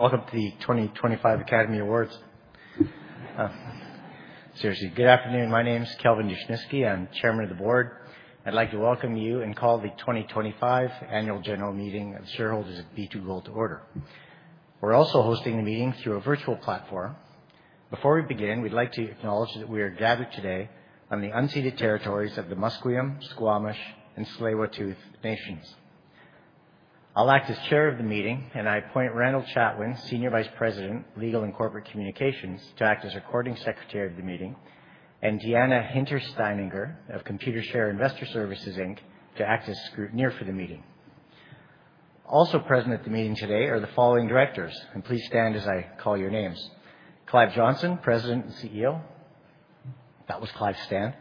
All of the 2025 Academy Awards. Seriously, good afternoon. My name is Kelvin Dushnisky. I'm Chairman of the Board. I'd like to welcome you and call the 2025 Annual General Meeting of Shareholders of B2Gold to order. We're also hosting the meeting through a virtual platform. Before we begin, we'd like to acknowledge that we are gathered today on the unceded territories of the Musqueam, Squamish, and Tsleil-Waututh Nations. I'll act as Chair of the meeting, and I appoint Randall Chatwin, Senior Vice President, Legal and Corporate Communications, to act as Recording Secretary of the meeting, and Deanna Hintersteininger of Computershare Investor Services Inc., to act as Scrutineer for the meeting. Also present at the meeting today are the following directors, and please stand as I call your names: Clive Johnson, President and CEO. That was Clive's stand.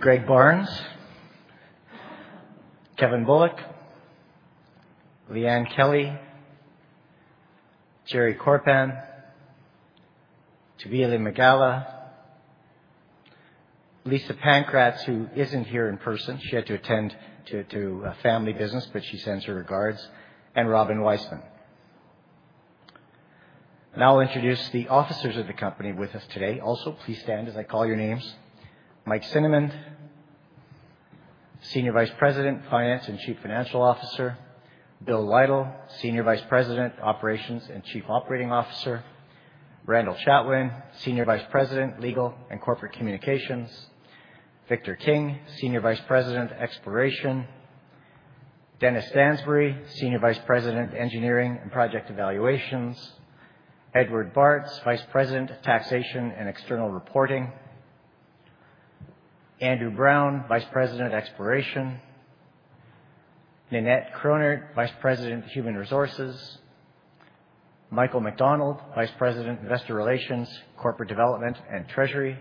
Greg Barnes, Kevin Bullock, Liane Kelly, Jerry Korpan, Thabile Makgala, Lisa Pankratz, who isn't here in person, she had to attend to a family business, but she sends her regards, and Robin Weisman. Now I'll introduce the officers of the company with us today. Also, please stand as I call your names: Mike Cinnamond, Senior Vice President, Finance and Chief Financial Officer. Bill Lytle, Senior Vice President, Operations and Chief Operating Officer. Randall Chatwin, Senior Vice President, Legal and Corporate Communications. Victor King, Senior Vice President, Exploration. Dennis Stansbury, Senior Vice President, Engineering and Project Evaluations. Eduard Bartz, Vice President, Taxation and External Reporting. Andrew Brown, Vice President, Exploration. Ninette Krohnert, Vice President, Human Resources. Michael McDonald, Vice President, Investor Relations, Corporate Development and Treasury.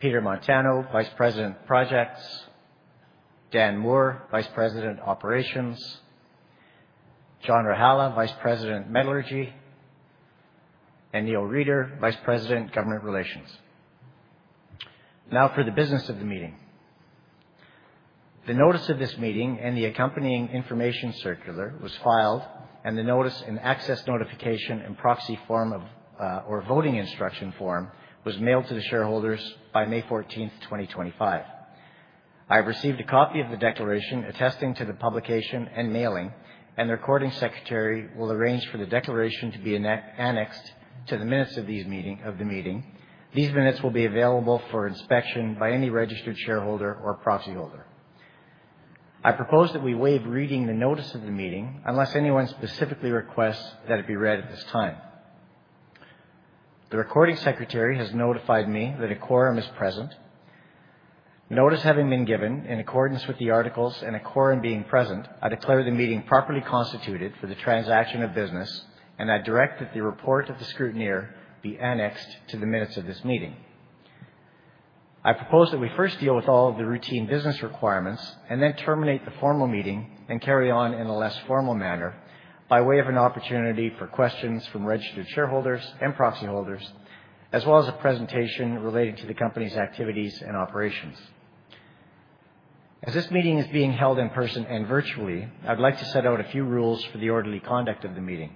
Peter Montano, Vice President, Projects. Dan Moore, Vice President, Operations. John Rajala, Vice President, Metallurgy. And Neil Reeder, Vice President, Government Relations. Now for the business of the meeting. The notice of this meeting and the accompanying information circular was filed, and the notice and access notification in proxy form or voting instruction form was mailed to the shareholders by May 14th, 2025. I have received a copy of the declaration attesting to the publication and mailing, and the Recording Secretary will arrange for the declaration to be annexed to the minutes of this meeting. These minutes will be available for inspection by any registered shareholder or proxy holder. I propose that we waive reading the notice of the meeting unless anyone specifically requests that it be read at this time. The Recording Secretary has notified me that a quorum is present. Notice having been given, in accordance with the articles and a quorum being present, I declare the meeting properly constituted for the transaction of business, and I direct that the report of the scrutineer be annexed to the minutes of this meeting. I propose that we first deal with all of the routine business requirements and then terminate the formal meeting and carry on in a less formal manner by way of an opportunity for questions from registered shareholders and proxy holders, as well as a presentation relating to the company's activities and operations. As this meeting is being held in person and virtually, I'd like to set out a few rules for the orderly conduct of the meeting.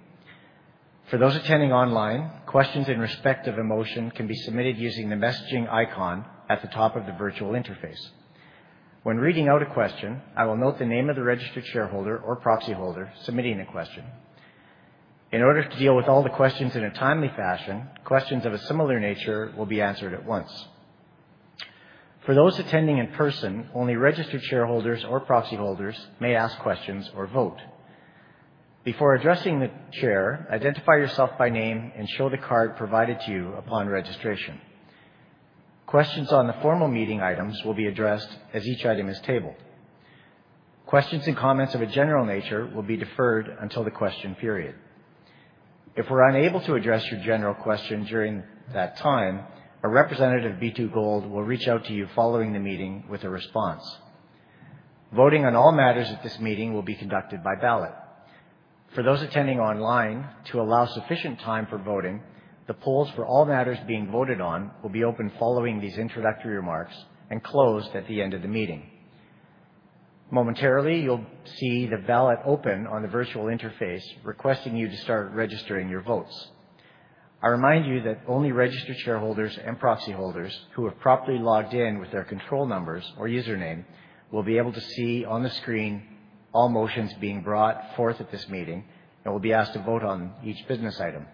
For those attending online, questions in respect of motion can be submitted using the messaging icon at the top of the virtual interface. When reading out a question, I will note the name of the registered shareholder or proxy holder submitting a question. In order to deal with all the questions in a timely fashion, questions of a similar nature will be answered at once. For those attending in person, only registered shareholders or proxy holders may ask questions or vote. Before addressing the Chair, identify yourself by name and show the card provided to you upon registration. Questions on the formal meeting items will be addressed as each item is tabled. Questions and comments of a general nature will be deferred until the question period. If we're unable to address your general question during that time, a representative of B2Gold will reach out to you following the meeting with a response. Voting on all matters at this meeting will be conducted by ballot. For those attending online, to allow sufficient time for voting, the polls for all matters being voted on will be open following these introductory remarks and closed at the end of the meeting. Momentarily, you'll see the ballot open on the virtual interface requesting you to start registering your votes. I remind you that only registered shareholders and proxy holders who have properly logged in with their control numbers or username will be able to see on the screen all motions being brought forth at this meeting and will be asked to vote on each business item.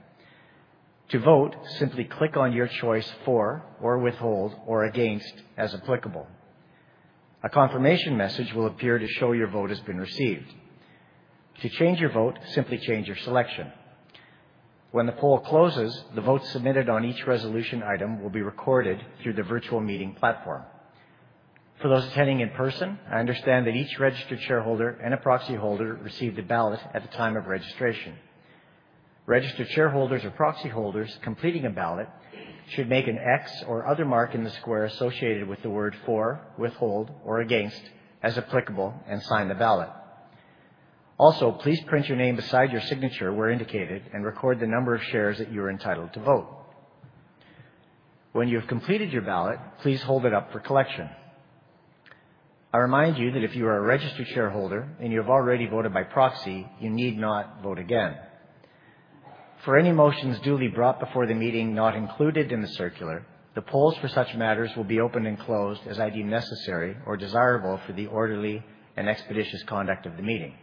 To vote, simply click on your choice for or withhold or against as applicable. A confirmation message will appear to show your vote has been received. To change your vote, simply change your selection. When the poll closes, the votes submitted on each resolution item will be recorded through the virtual meeting platform. For those attending in person, I understand that each registered shareholder and a proxy holder received a ballot at the time of registration. Registered shareholders or proxy holders completing a ballot should make an X or other mark in the square associated with the word for, withhold, or against as applicable and sign the ballot. Also, please print your name beside your signature where indicated and record the number of shares that you are entitled to vote. When you have completed your ballot, please hold it up for collection. I remind you that if you are a registered shareholder and you have already voted by proxy, you need not vote again. For any motions duly brought before the meeting not included in the circular, the polls for such matters will be opened and closed as I deem necessary or desirable for the orderly and expeditious conduct of the meeting.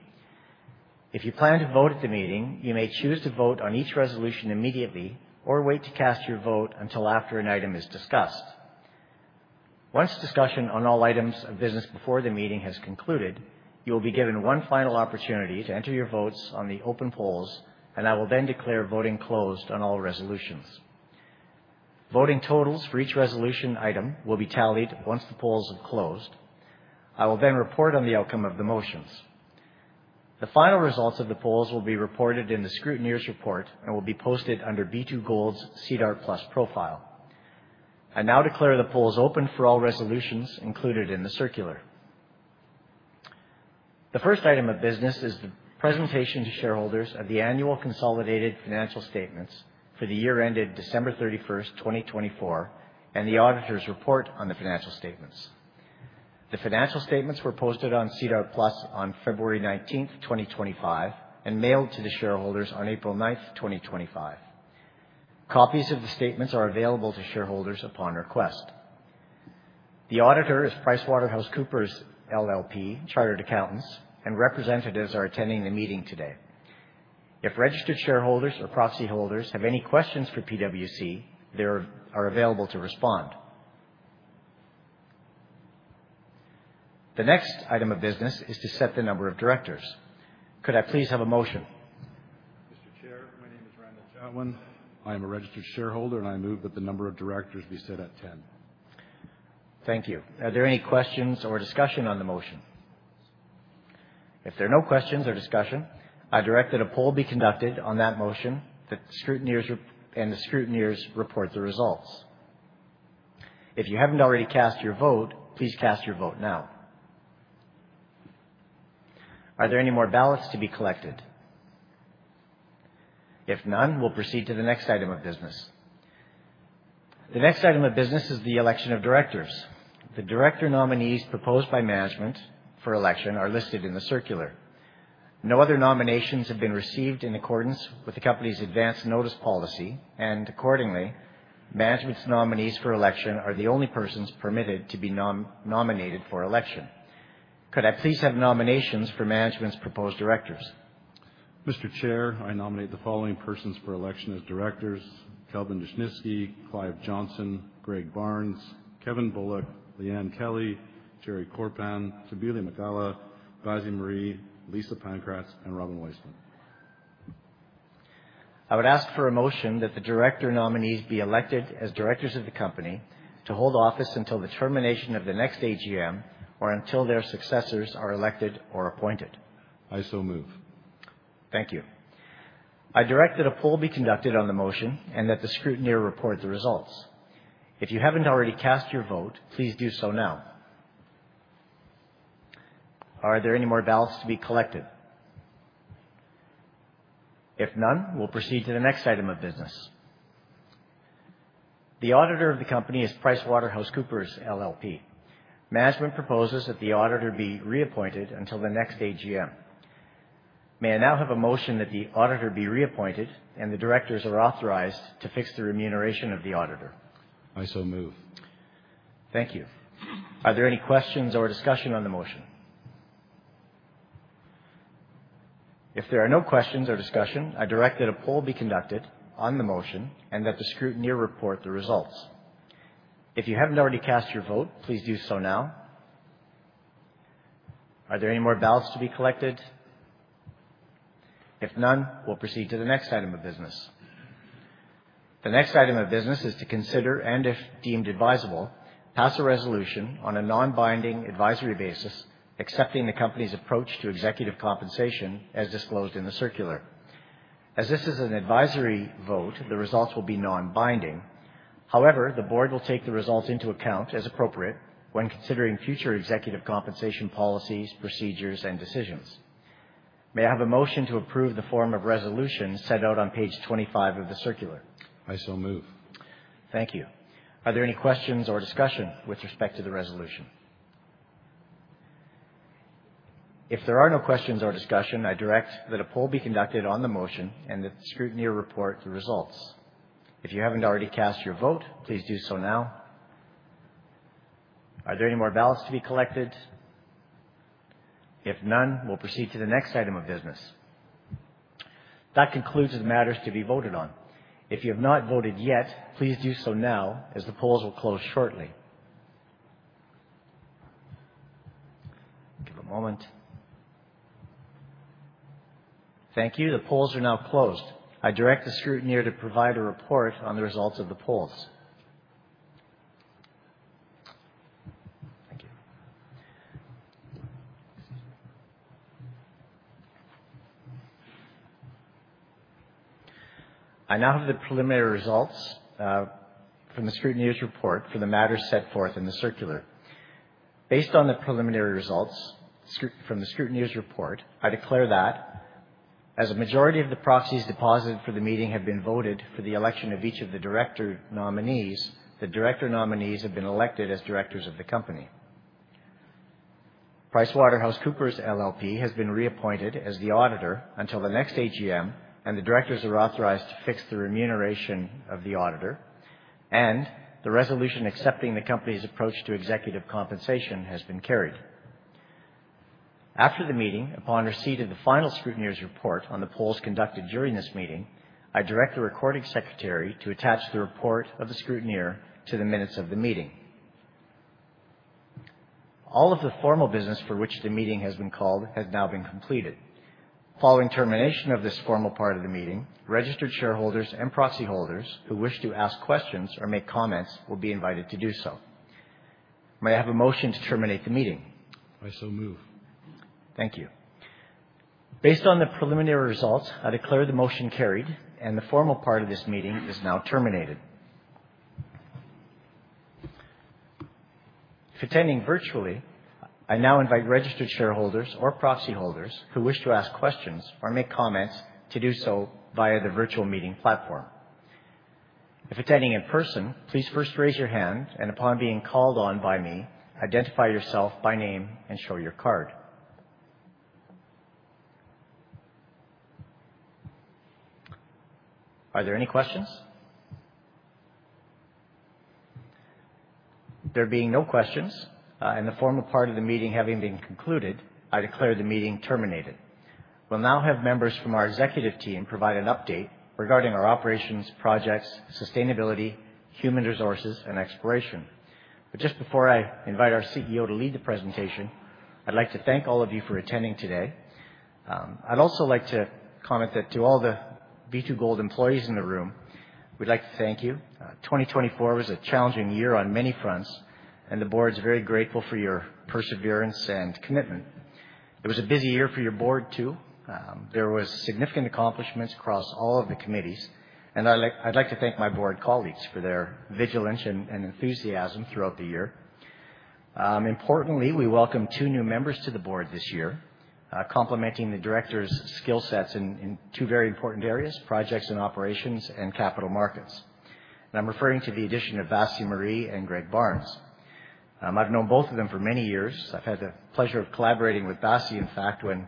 If you plan to vote at the meeting, you may choose to vote on each resolution immediately or wait to cast your vote until after an item is discussed. Once discussion on all items of business before the meeting has concluded, you will be given one final opportunity to enter your votes on the open polls, and I will then declare voting closed on all resolutions. Voting totals for each resolution item will be tallied once the polls have closed. I will then report on the outcome of the motions. The final results of the polls will be reported in the scrutineer's report and will be posted under B2Gold's SEDAR+ profile. I now declare the polls open for all resolutions included in the circular. The first item of business is the presentation to shareholders of the annual consolidated financial statements for the year ended December 31st, 2024, and the auditor's report on the financial statements. The financial statements were posted on SEDAR+ on February 19th, 2025, and mailed to the shareholders on April 9th, 2025. Copies of the statements are available to shareholders upon request. The auditor is PricewaterhouseCoopers LLP, Chartered Accountants, and representatives are attending the meeting today. If registered shareholders or proxy holders have any questions for PWC, they are available to respond. The next item of business is to set the number of directors. Could I please have a motion? Mr. Chair, my name is Randall Chatwin. I am a registered shareholder, and I move that the number of directors be set at 10. Thank you. Are there any questions or discussion on the motion? If there are no questions or discussion, I direct that a poll be conducted on that motion and the scrutineers report the results. If you haven't already cast your vote, please cast your vote now. Are there any more ballots to be collected? If none, we'll proceed to the next item of business. The next item of business is the election of directors. The director nominees proposed by management for election are listed in the circular. No other nominations have been received in accordance with the company's advance notice policy, and accordingly, management's nominees for election are the only persons permitted to be nominated for election. Could I please have nominations for management's proposed directors? Mr. Chair, I nominate the following persons for election as directors: Kelvin Dushnisky, Clive Johnson, Greg Barnes, Kevin Bullock, Liane Kelly, Jerry Korpan, Thabile Makgala, Basie Maree, Lisa Pankratz, and Robin Weisman. I would ask for a motion that the director nominees be elected as directors of the company to hold office until the termination of the next AGM or until their successors are elected or appointed. I so move. Thank you. I direct that a poll be conducted on the motion and that the scrutineer report the results. If you haven't already cast your vote, please do so now. Are there any more ballots to be collected? If none, we'll proceed to the next item of business. The auditor of the company is PricewaterhouseCoopers LLP. Management proposes that the auditor be reappointed until the next AGM. May I now have a motion that the auditor be reappointed and the directors are authorized to fix the remuneration of the auditor? I so move. Thank you. Are there any questions or discussion on the motion? If there are no questions or discussion, I direct that a poll be conducted on the motion and that the scrutineer report the results. If you haven't already cast your vote, please do so now. Are there any more ballots to be collected? If none, we'll proceed to the next item of business. The next item of business is to consider, and if deemed advisable, pass a resolution on a non-binding advisory basis accepting the company's approach to executive compensation as disclosed in the circular. As this is an advisory vote, the results will be non-binding. However, the board will take the results into account as appropriate when considering future executive compensation policies, procedures, and decisions. May I have a motion to approve the form of resolution set out on page 25 of the circular? I so move. Thank you. Are there any questions or discussion with respect to the resolution? If there are no questions or discussion, I direct that a poll be conducted on the motion and that the scrutineer report the results. If you haven't already cast your vote, please do so now. Are there any more ballots to be collected? If none, we'll proceed to the next item of business. That concludes the matters to be voted on. If you have not voted yet, please do so now as the polls will close shortly. Give a moment. Thank you. The polls are now closed. I direct the scrutineer to provide a report on the results of the polls. Thank you. I now have the preliminary results from the scrutineer's report for the matters set forth in the circular. Based on the preliminary results from the scrutineer's report, I declare that as a majority of the proxies deposited for the meeting have been voted for the election of each of the director nominees, the director nominees have been elected as directors of the company. PricewaterhouseCoopers LLP has been reappointed as the auditor until the next AGM, and the directors are authorized to fix the remuneration of the auditor, and the resolution accepting the company's approach to executive compensation has been carried. After the meeting, upon receipt of the final scrutineer's report on the polls conducted during this meeting, I direct the Recording Secretary to attach the report of the scrutineer to the minutes of the meeting. All of the formal business for which the meeting has been called has now been completed. Following termination of this formal part of the meeting, registered shareholders and proxy holders who wish to ask questions or make comments will be invited to do so. May I have a motion to terminate the meeting? I so move. Thank you. Based on the preliminary results, I declare the motion carried, and the formal part of this meeting is now terminated. If attending virtually, I now invite registered shareholders or proxy holders who wish to ask questions or make comments to do so via the virtual meeting platform. If attending in person, please first raise your hand, and upon being called on by me, identify yourself by name and show your card. Are there any questions? There being no questions and the formal part of the meeting having been concluded, I declare the meeting terminated. We'll now have members from our executive team provide an update regarding our operations, projects, sustainability, human resources, and exploration. But just before I invite our CEO to lead the presentation, I'd like to thank all of you for attending today. I'd also like to comment that to all the B2Gold employees in the room, we'd like to thank you. 2024 was a challenging year on many fronts, and the board is very grateful for your perseverance and commitment. It was a busy year for your board too. There were significant accomplishments across all of the committees, and I'd like to thank my board colleagues for their vigilance and enthusiasm throughout the year. Importantly, we welcome two new members to the board this year, complementing the directors' skill sets in two very important areas: projects and operations and capital markets, and I'm referring to the addition of Basie Maree and Greg Barnes. I've known both of them for many years. I've had the pleasure of collaborating with Basie, in fact, when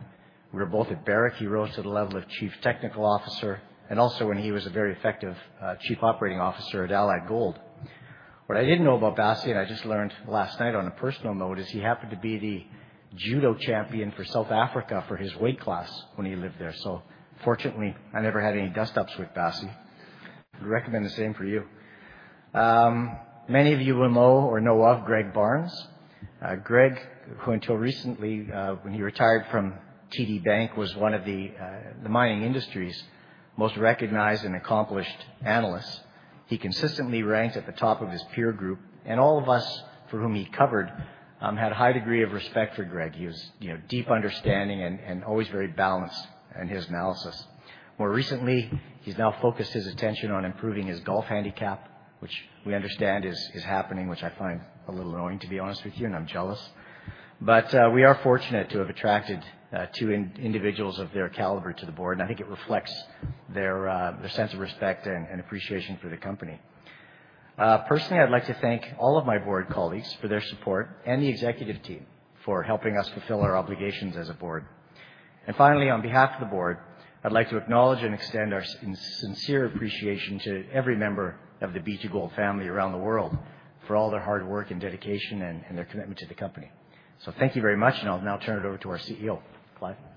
we were both at Barrick. He rose to the level of Chief Technical Officer and also when he was a very effective Chief Operating Officer at Allied Gold. What I didn't know about Basie, and I just learned last night on a personal note, is he happened to be the judo champion for South Africa for his weight class when he lived there. So fortunately, I never had any dust-ups with Basie. I recommend the same for you. Many of you will know or know of Greg Barnes. Greg, who until recently, when he retired from TD Bank, was one of the mining industry's most recognized and accomplished analysts. He consistently ranked at the top of his peer group, and all of us for whom he covered had a high degree of respect for Greg. He was deep understanding and always very balanced in his analysis. More recently, he's now focused his attention on improving his golf handicap, which we understand is happening, which I find a little annoying, to be honest with you, and I'm jealous. But we are fortunate to have attracted two individuals of their caliber to the board, and I think it reflects their sense of respect and appreciation for the company. Personally, I'd like to thank all of my board colleagues for their support and the executive team for helping us fulfill our obligations as a board. And finally, on behalf of the board, I'd like to acknowledge and extend our sincere appreciation to every member of the B2Gold family around the world for all their hard work and dedication and their commitment to the company. So thank you very much, and I'll now turn it over to our CEO, Clive. I'm waiting for a countdown, apparently. Good to go.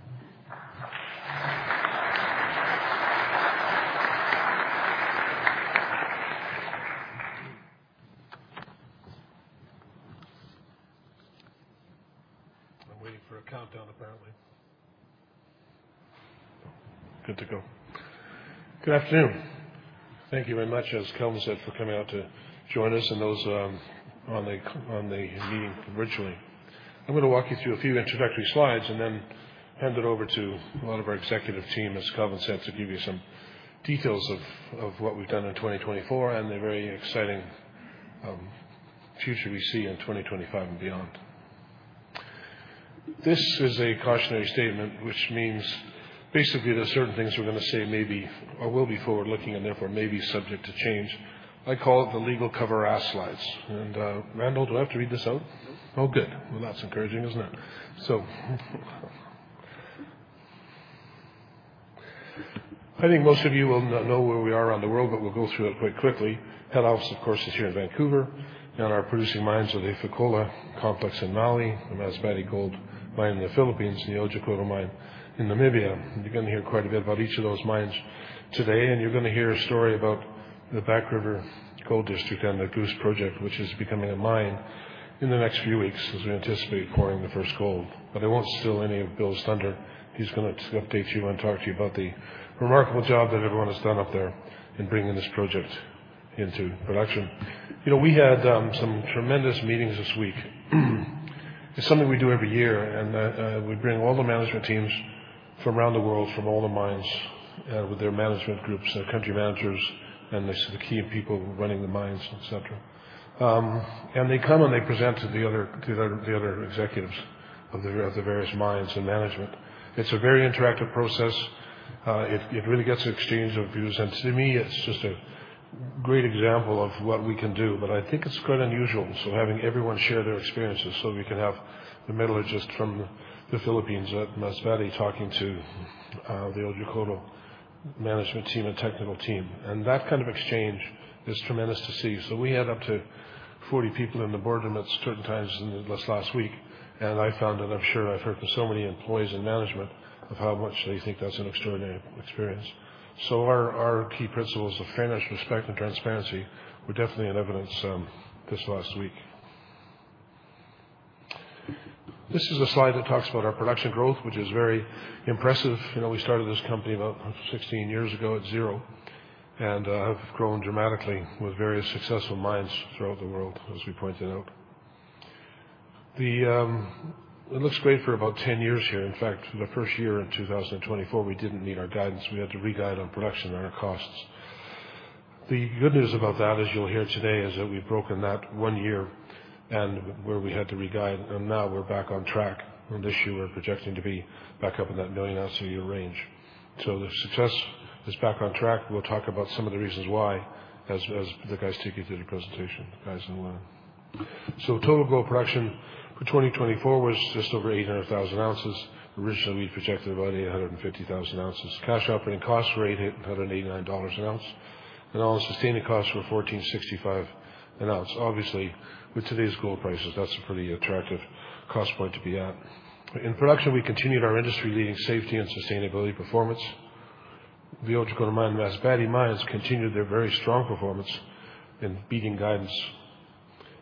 Good afternoon. Thank you very much, as Kelvin said, for coming out to join us and those on the meeting virtually. I'm going to walk you through a few introductory slides and then hand it over to a lot of our executive team, as Kelvin said, to give you some details of what we've done in 2024 and the very exciting future we see in 2025 and beyond. This is a cautionary statement, which means basically there are certain things we're going to say maybe or will be forward-looking and therefore may be subject to change. I call it the legal cover ass slides, and Randall, do I have to read this out? No. Oh, good. Well, that's encouraging, isn't it? So I think most of you will know where we are around the world, but we'll go through it quite quickly. Head office, of course, is here in Vancouver, and our producing mines are the Fekola Complex in Mali, the Masbate Gold Mine in the Philippines, and the Otjikoto Mine in Namibia. You're going to hear quite a bit about each of those mines today, and you're going to hear a story about the Back River Gold District and the Goose Project, which is becoming a mine in the next few weeks as we anticipate pouring the first gold. But I won't steal any of Bill's thunder. He's going to update you and talk to you about the remarkable job that everyone has done up there in bringing this project into production. We had some tremendous meetings this week. It's something we do every year, and we bring all the management teams from around the world, from all the mines, with their management groups, their country managers, and the key people running the mines, etc. And they come and they present to the other executives of the various mines and management. It's a very interactive process. It really gets an exchange of views, and to me, it's just a great example of what we can do. But I think it's quite unusual having everyone share their experiences so we can have the metallurgist from the Philippines at Masbate talking to the Otjikoto management team and technical team. And that kind of exchange is tremendous to see. So we had up to 40 people in the boardroom at certain times this last week, and I found that I'm sure I've heard from so many employees and management of how much they think that's an extraordinary experience, so our key principles of fairness, respect, and transparency were definitely in evidence this last week. This is a slide that talks about our production growth, which is very impressive. We started this company about 16 years ago at zero, and it has grown dramatically with various successful mines throughout the world, as we pointed out. It looks great for about 10 years here. In fact, for 2024, we didn't meet our guidance. We had to re-guide on production and our costs. The good news about that, as you'll hear today, is that we've broken that one year and where we had to re-guide, and now we're back on track. This year, we're projecting to be back up in that million-ounce-a-year range. The success is back on track. We'll talk about some of the reasons why as the guys take you through the presentation. Total gold production for 2024 was just over 800,000 ounces. Originally, we projected about 850,000 ounces. Cash operating costs were $189 an ounce, and all-in sustaining costs were $1,465 an ounce. Obviously, with today's gold prices, that's a pretty attractive cost point to be at. In production, we continued our industry-leading safety and sustainability performance. The Otjikoto Mine and Masbate Mine continued their very strong performance in beating guidance.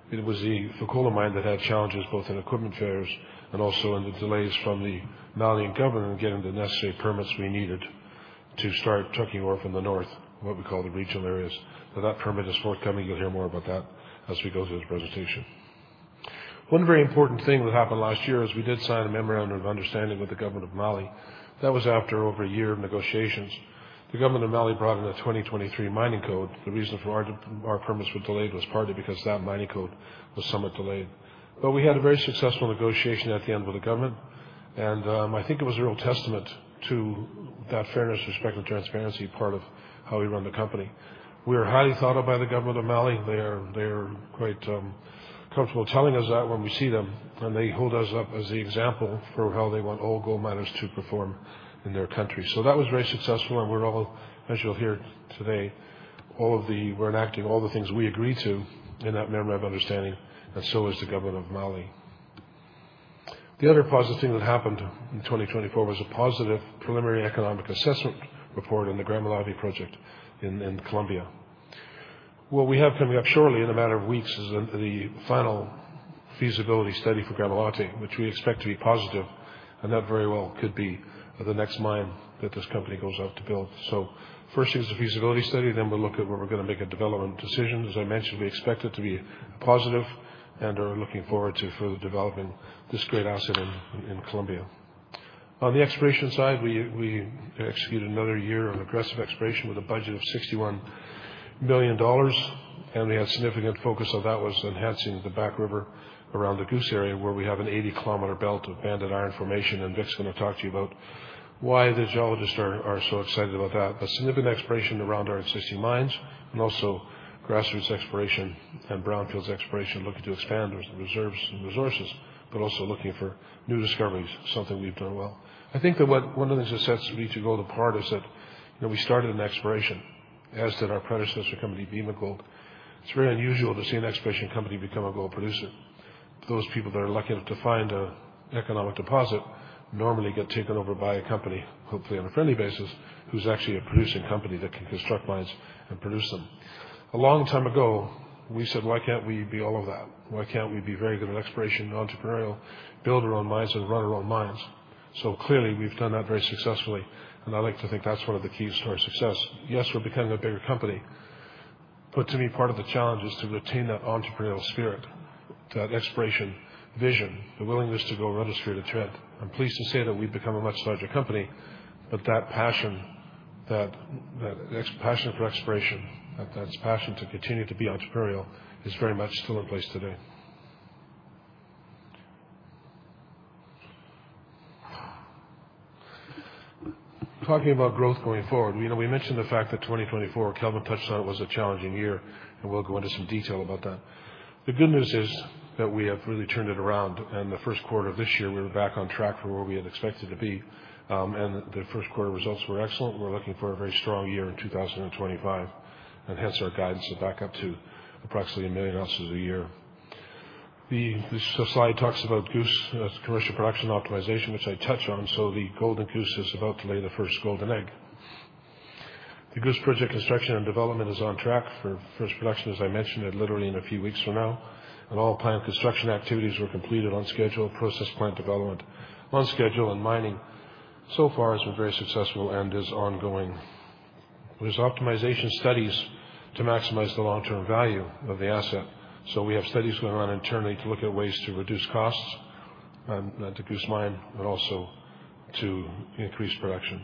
It was the Fekola Mine that had challenges both in equipment failures and also in the delays from the Malian government in getting the necessary permits we needed to start trucking ore from the north, what we call the regional areas. That permit is forthcoming. You'll hear more about that as we go through the presentation. One very important thing that happened last year is we did sign a memorandum of understanding with the government of Mali. That was after over a year of negotiations. The government of Mali brought in the 2023 Mining Code. The reason for our permits were delayed was partly because that Mining Code was somewhat delayed. But we had a very successful negotiation at the end with the government, and I think it was a real testament to that fairness, respect, and transparency part of how we run the company. We are highly thought of by the government of Mali. They are quite comfortable telling us that when we see them, and they hold us up as the example for how they want all gold miners to perform in their country, so that was very successful, and we're all, as you'll hear today, enacting all the things we agreed to in that memorandum of understanding, and so is the government of Mali. The other positive thing that happened in 2024 was a positive preliminary economic assessment report on the Gramalote project in Colombia. What we have coming up shortly in a matter of weeks is the final feasibility study for Gramalote, which we expect to be positive, and that very well could be the next mine that this company goes out to build, so first, it's a feasibility study. Then we'll look at what we're going to make a development decision. As I mentioned, we expect it to be positive and are looking forward to further developing this great asset in Colombia. On the exploration side, we executed another year of aggressive exploration with a budget of $61 million, and we had significant focus on that was enhancing the Back River around the Goose area, where we have an 80 km belt of banded iron formation, and Vic's going to talk to you about why the geologists are so excited about that. But significant exploration around our existing mines and also grassroots exploration and brownfields exploration, looking to expand reserves and resources, but also looking for new discoveries, something we've done well. I think that one of the things that sets B2Gold apart is that we started an exploration, as did our predecessor company, Bema Gold. It's very unusual to see an exploration company become a gold producer. Those people that are lucky enough to find an economic deposit normally get taken over by a company, hopefully on a friendly basis, who's actually a producing company that can construct mines and produce them. A long time ago, we said, "Why can't we be all of that? Why can't we be very good at exploration, entrepreneurial, build our own mines, and run our own mines?" So clearly, we've done that very successfully, and I like to think that's one of the keys to our success. Yes, we're becoming a bigger company, but to me, part of the challenge is to retain that entrepreneurial spirit, that exploration vision, the willingness to go and understand the trend. I'm pleased to say that we've become a much larger company, but that passion for exploration, that passion to continue to be entrepreneurial, is very much still in place today. Talking about growth going forward, we mentioned the fact that 2024, Kelvin touched on it, was a challenging year, and we'll go into some detail about that. The good news is that we have really turned it around, and the first quarter of this year, we were back on track for where we had expected to be, and the first quarter results were excellent. We're looking for a very strong year in 2025, and hence our guidance is back up to approximately a million ounces a year. This slide talks about Goose commercial production optimization, which I touch on. So the golden Goose is about to lay the first golden egg. The Goose Project construction and development is on track for first production, as I mentioned, literally in a few weeks from now, and all planned construction activities were completed on schedule, process plant development on schedule, and mining so far has been very successful and is ongoing. There's optimization studies to maximize the long-term value of the asset, so we have studies going on internally to look at ways to reduce costs at the Goose mine, but also to increase production.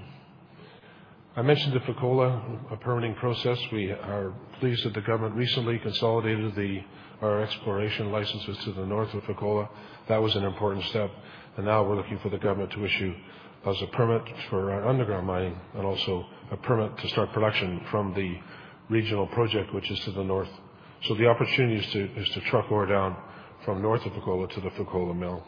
I mentioned the Fekola permitting process. We are pleased that the government recently consolidated our exploration licenses to the north of Fekola. That was an important step, and now we're looking for the government to issue us a permit for our underground mining and also a permit to start production from the regional project, which is to the north. So the opportunity is to truck ore down from north of Fekola to the Fekola mill.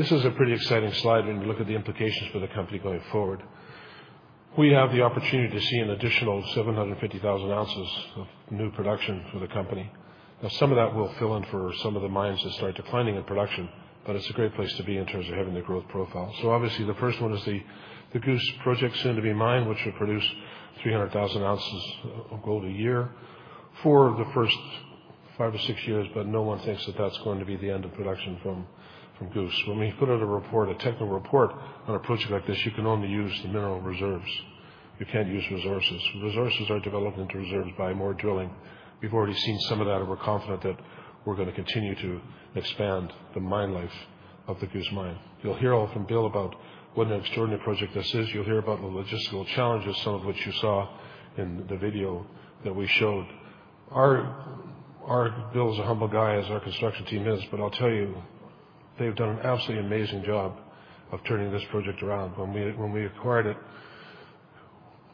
This is a pretty exciting slide when you look at the implications for the company going forward. We have the opportunity to see an additional 750,000 ounces of new production for the company. Now, some of that will fill in for some of the mines that start declining in production, but it's a great place to be in terms of having the growth profile. So obviously, the first one is the Goose Project soon-to-be mine, which will produce 300,000 ounces of gold a year for the first five or six years, but no one thinks that that's going to be the end of production from Goose. When we put out a report, a technical report on a project like this, you can only use the mineral reserves. You can't use resources. Resources are developed into reserves by more drilling. We've already seen some of that, and we're confident that we're going to continue to expand the mine life of the Goose mine. You'll hear all from Bill about what an extraordinary project this is. You'll hear about the logistical challenges, some of which you saw in the video that we showed. Our Bill's a humble guy, as our construction team is, but I'll tell you, they've done an absolutely amazing job of turning this project around. When we acquired it,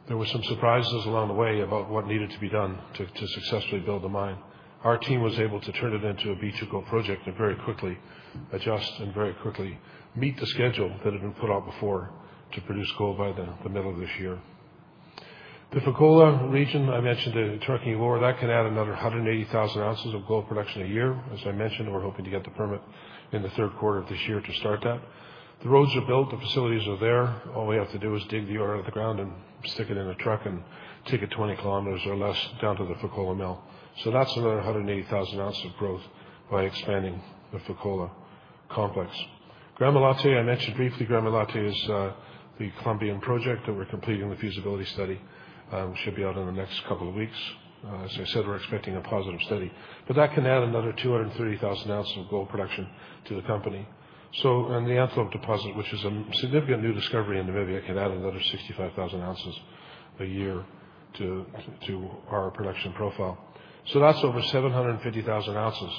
there were some surprises along the way about what needed to be done to successfully build the mine. Our team was able to turn it into a B2Gold project and very quickly adjust and very quickly meet the schedule that had been put out before to produce gold by the middle of this year. The Fekola region, I mentioned the trucking ore, that can add another 180,000 ounces of gold production a year. As I mentioned, we're hoping to get the permit in the third quarter of this year to start that. The roads are built. The facilities are there. All we have to do is dig the ore out of the ground and stick it in a truck and take it 20 km or less down to the Fekola mill. So that's another 180,000 ounces of growth by expanding the Fekola complex. Gramalote, I mentioned briefly, Gramalote is the Colombian project that we're completing the feasibility study. It should be out in the next couple of weeks. As I said, we're expecting a positive study, but that can add another 230,000 ounces of gold production to the company. And the Antelope deposit, which is a significant new discovery in Namibia, can add another 65,000 ounces a year to our production profile. So that's over 750,000 ounces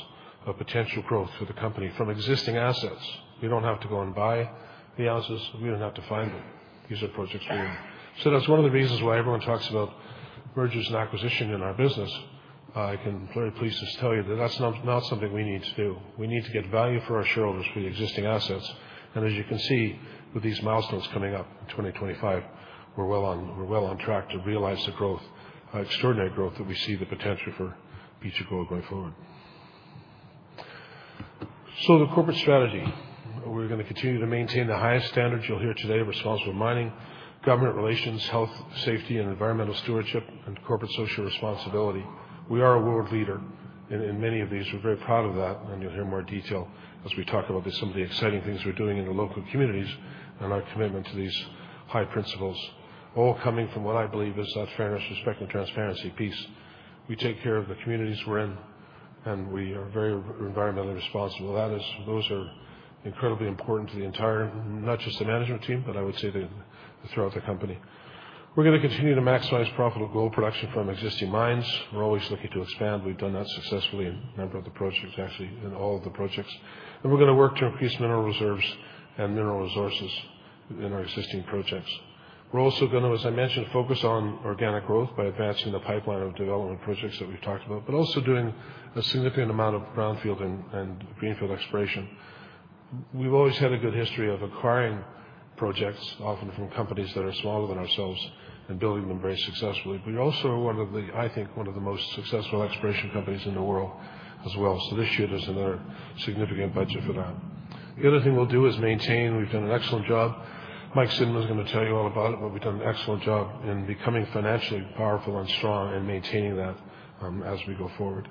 of potential growth for the company from existing assets. We don't have to go and buy the ounces. We don't have to find them. These are projects we're in. So that's one of the reasons why everyone talks about mergers and acquisitions in our business. I am very pleased to tell you that that's not something we need to do. We need to get value for our shareholders for the existing assets. And as you can see, with these milestones coming up in 2025, we're well on track to realize the growth, extraordinary growth that we see the potential for B2Gold going forward. So the corporate strategy, we're going to continue to maintain the highest standards you'll hear today: responsible mining, government relations, health, safety, and environmental stewardship, and corporate social responsibility. We are a world leader in many of these. We're very proud of that, and you'll hear more detail as we talk about some of the exciting things we're doing in the local communities and our commitment to these high principles, all coming from what I believe is that fairness, respect, and transparency, peace. We take care of the communities we're in, and we are very environmentally responsible. Those are incredibly important to the entire, not just the management team, but I would say throughout the company. We're going to continue to maximize profitable gold production from existing mines. We're always looking to expand. We've done that successfully in a number of the projects, actually, in all of the projects. We're going to work to increase mineral reserves and mineral resources in our existing projects. We're also going to, as I mentioned, focus on organic growth by advancing the pipeline of development projects that we've talked about, but also doing a significant amount of brownfield and greenfield exploration. We've always had a good history of acquiring projects, often from companies that are smaller than ourselves, and building them very successfully. We also are one of the, I think, one of the most successful exploration companies in the world as well. This year there's another significant budget for that. The other thing we'll do is maintain. We've done an excellent job. Mike Cinnamond is going to tell you all about it, but we've done an excellent job in becoming financially powerful and strong and maintaining that as we go forward.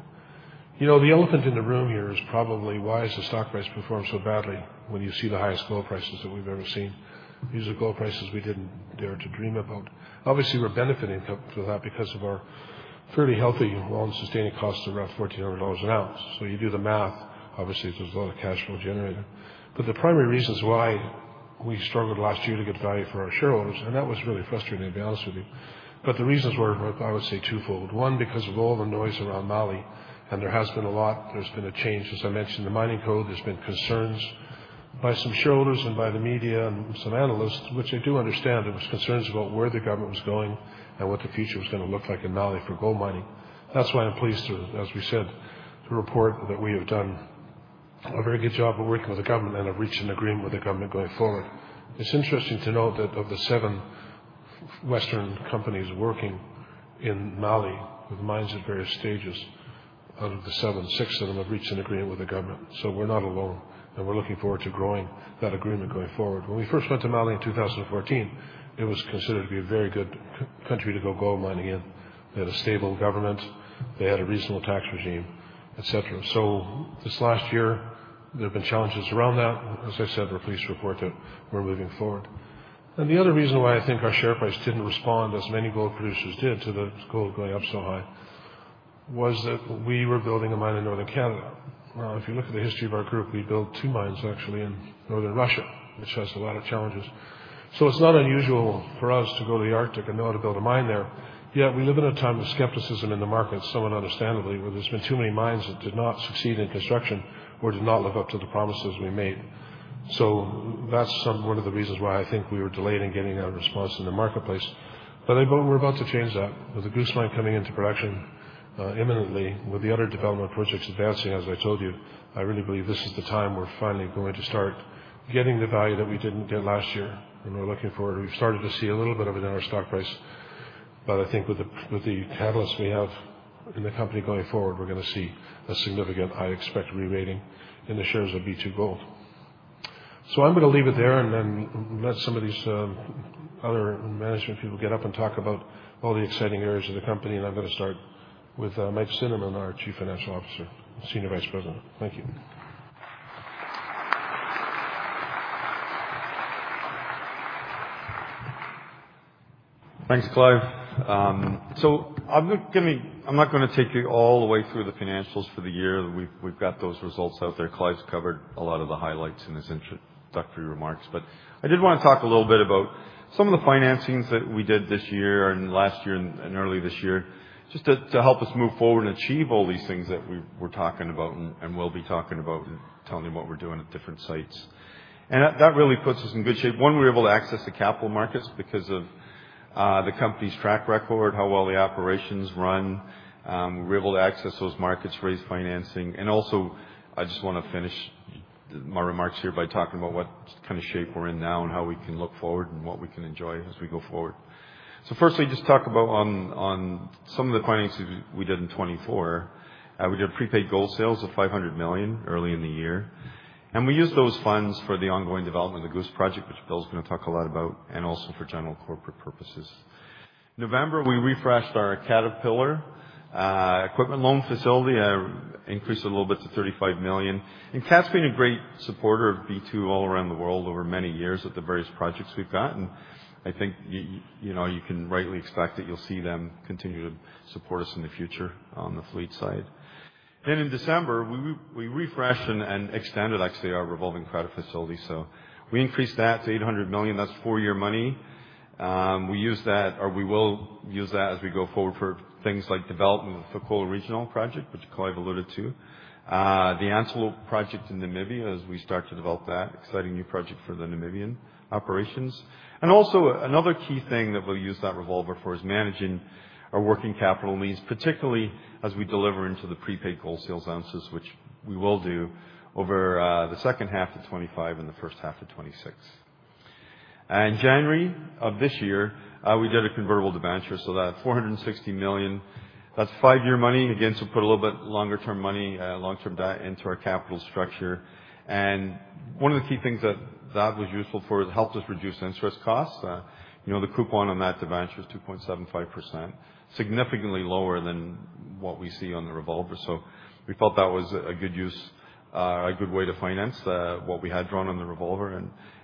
The elephant in the room here is probably why the stock price performed so badly when you see the highest gold prices that we've ever seen. These are gold prices we didn't dare to dream about. Obviously, we're benefiting from that because of our fairly healthy, all-in sustaining costs of around $1,400 an ounce. So you do the math, obviously, there's a lot of cash flow generated. But the primary reasons why we struggled last year to get value for our shareholders, and that was really frustrating, to be honest with you. But the reasons were, I would say, twofold. One, because of all the noise around Mali, and there has been a lot. There's been a change, as I mentioned, in the Mining Code. There's been concerns by some shareholders and by the media and some analysts, which I do understand. There were concerns about where the government was going and what the future was going to look like in Mali for gold mining. That's why I'm pleased to, as we said, report that we have done a very good job of working with the government and have reached an agreement with the government going forward. It's interesting to note that of the seven Western companies working in Mali with mines at various stages, out of the seven, six of them have reached an agreement with the government. So we're not alone, and we're looking forward to growing that agreement going forward. When we first went to Mali in 2014, it was considered to be a very good country to go gold mining in. They had a stable government. They had a reasonable tax regime, etc. So this last year, there have been challenges around that. As I said, we're pleased to report that we're moving forward, and the other reason why I think our share price didn't respond as many gold producers did to the gold going up so high was that we were building a mine in Northern Canada. Now, if you look at the history of our group, we built two mines, actually, in Northern Russia, which has a lot of challenges, so it's not unusual for us to go to the Arctic and know how to build a mine there. Yet we live in a time of skepticism in the market, somewhat understandably, where there's been too many mines that did not succeed in construction or did not live up to the promises we made, so that's one of the reasons why I think we were delayed in getting that response in the marketplace. But we're about to change that with the Goose mine coming into production imminently, with the other development projects advancing. As I told you, I really believe this is the time we're finally going to start getting the value that we didn't get last year, and we're looking forward. We've started to see a little bit of it in our stock price, but I think with the catalysts we have in the company going forward, we're going to see a significant, I expect, re-rating in the shares of B2Gold. So I'm going to leave it there and then let some of these other management people get up and talk about all the exciting areas of the company. And I'm going to start with Mike Cinnamond, our Chief Financial Officer, Senior Vice President. Thank you. Thanks, Clive. I'm not going to take you all the way through the financials for the year. We've got those results out there. Clive's covered a lot of the highlights in his introductory remarks. I did want to talk a little bit about some of the financings that we did this year and last year and early this year, just to help us move forward and achieve all these things that we were talking about and will be talking about and telling you what we're doing at different sites. That really puts us in good shape. One, we were able to access the capital markets because of the company's track record, how well the operations run. We were able to access those markets, raise financing. And also, I just want to finish my remarks here by talking about what kind of shape we're in now and how we can look forward and what we can enjoy as we go forward. First, let me just talk about some of the financings we did in 2024. We did prepaid gold sales of $500 million early in the year, and we used those funds for the ongoing development of the Goose Project, which Bill's going to talk a lot about, and also for general corporate purposes. In November, we refreshed our Caterpillar equipment loan facility. I increased it a little bit to $35 million. And CATS has been a great supporter of B2 all around the world over many years at the various projects we've gotten. I think you can rightly expect that you'll see them continue to support us in the future on the fleet side. Then in December, we refreshed and extended, actually, our revolving credit facility. So we increased that to $800 million. That's four-year money. We use that, or we will use that as we go forward for things like development of the Fekola Regional project, which Clive alluded to, the Antelope project in Namibia as we start to develop that exciting new project for the Namibian operations. And also, another key thing that we'll use that revolver for is managing our working capital needs, particularly as we deliver into the prepaid gold sales ounces, which we will do over the second half of 2025 and the first half of 2026. And January of this year, we did a convertible debenture. So that $460 million, that's five-year money. Again, so put a little bit longer-term money, long-term debt into our capital structure. One of the key things that was useful for is it helped us reduce interest costs. The coupon on that debenture is 2.75%, significantly lower than what we see on the revolver. So we felt that was a good use, a good way to finance what we had drawn on the revolver.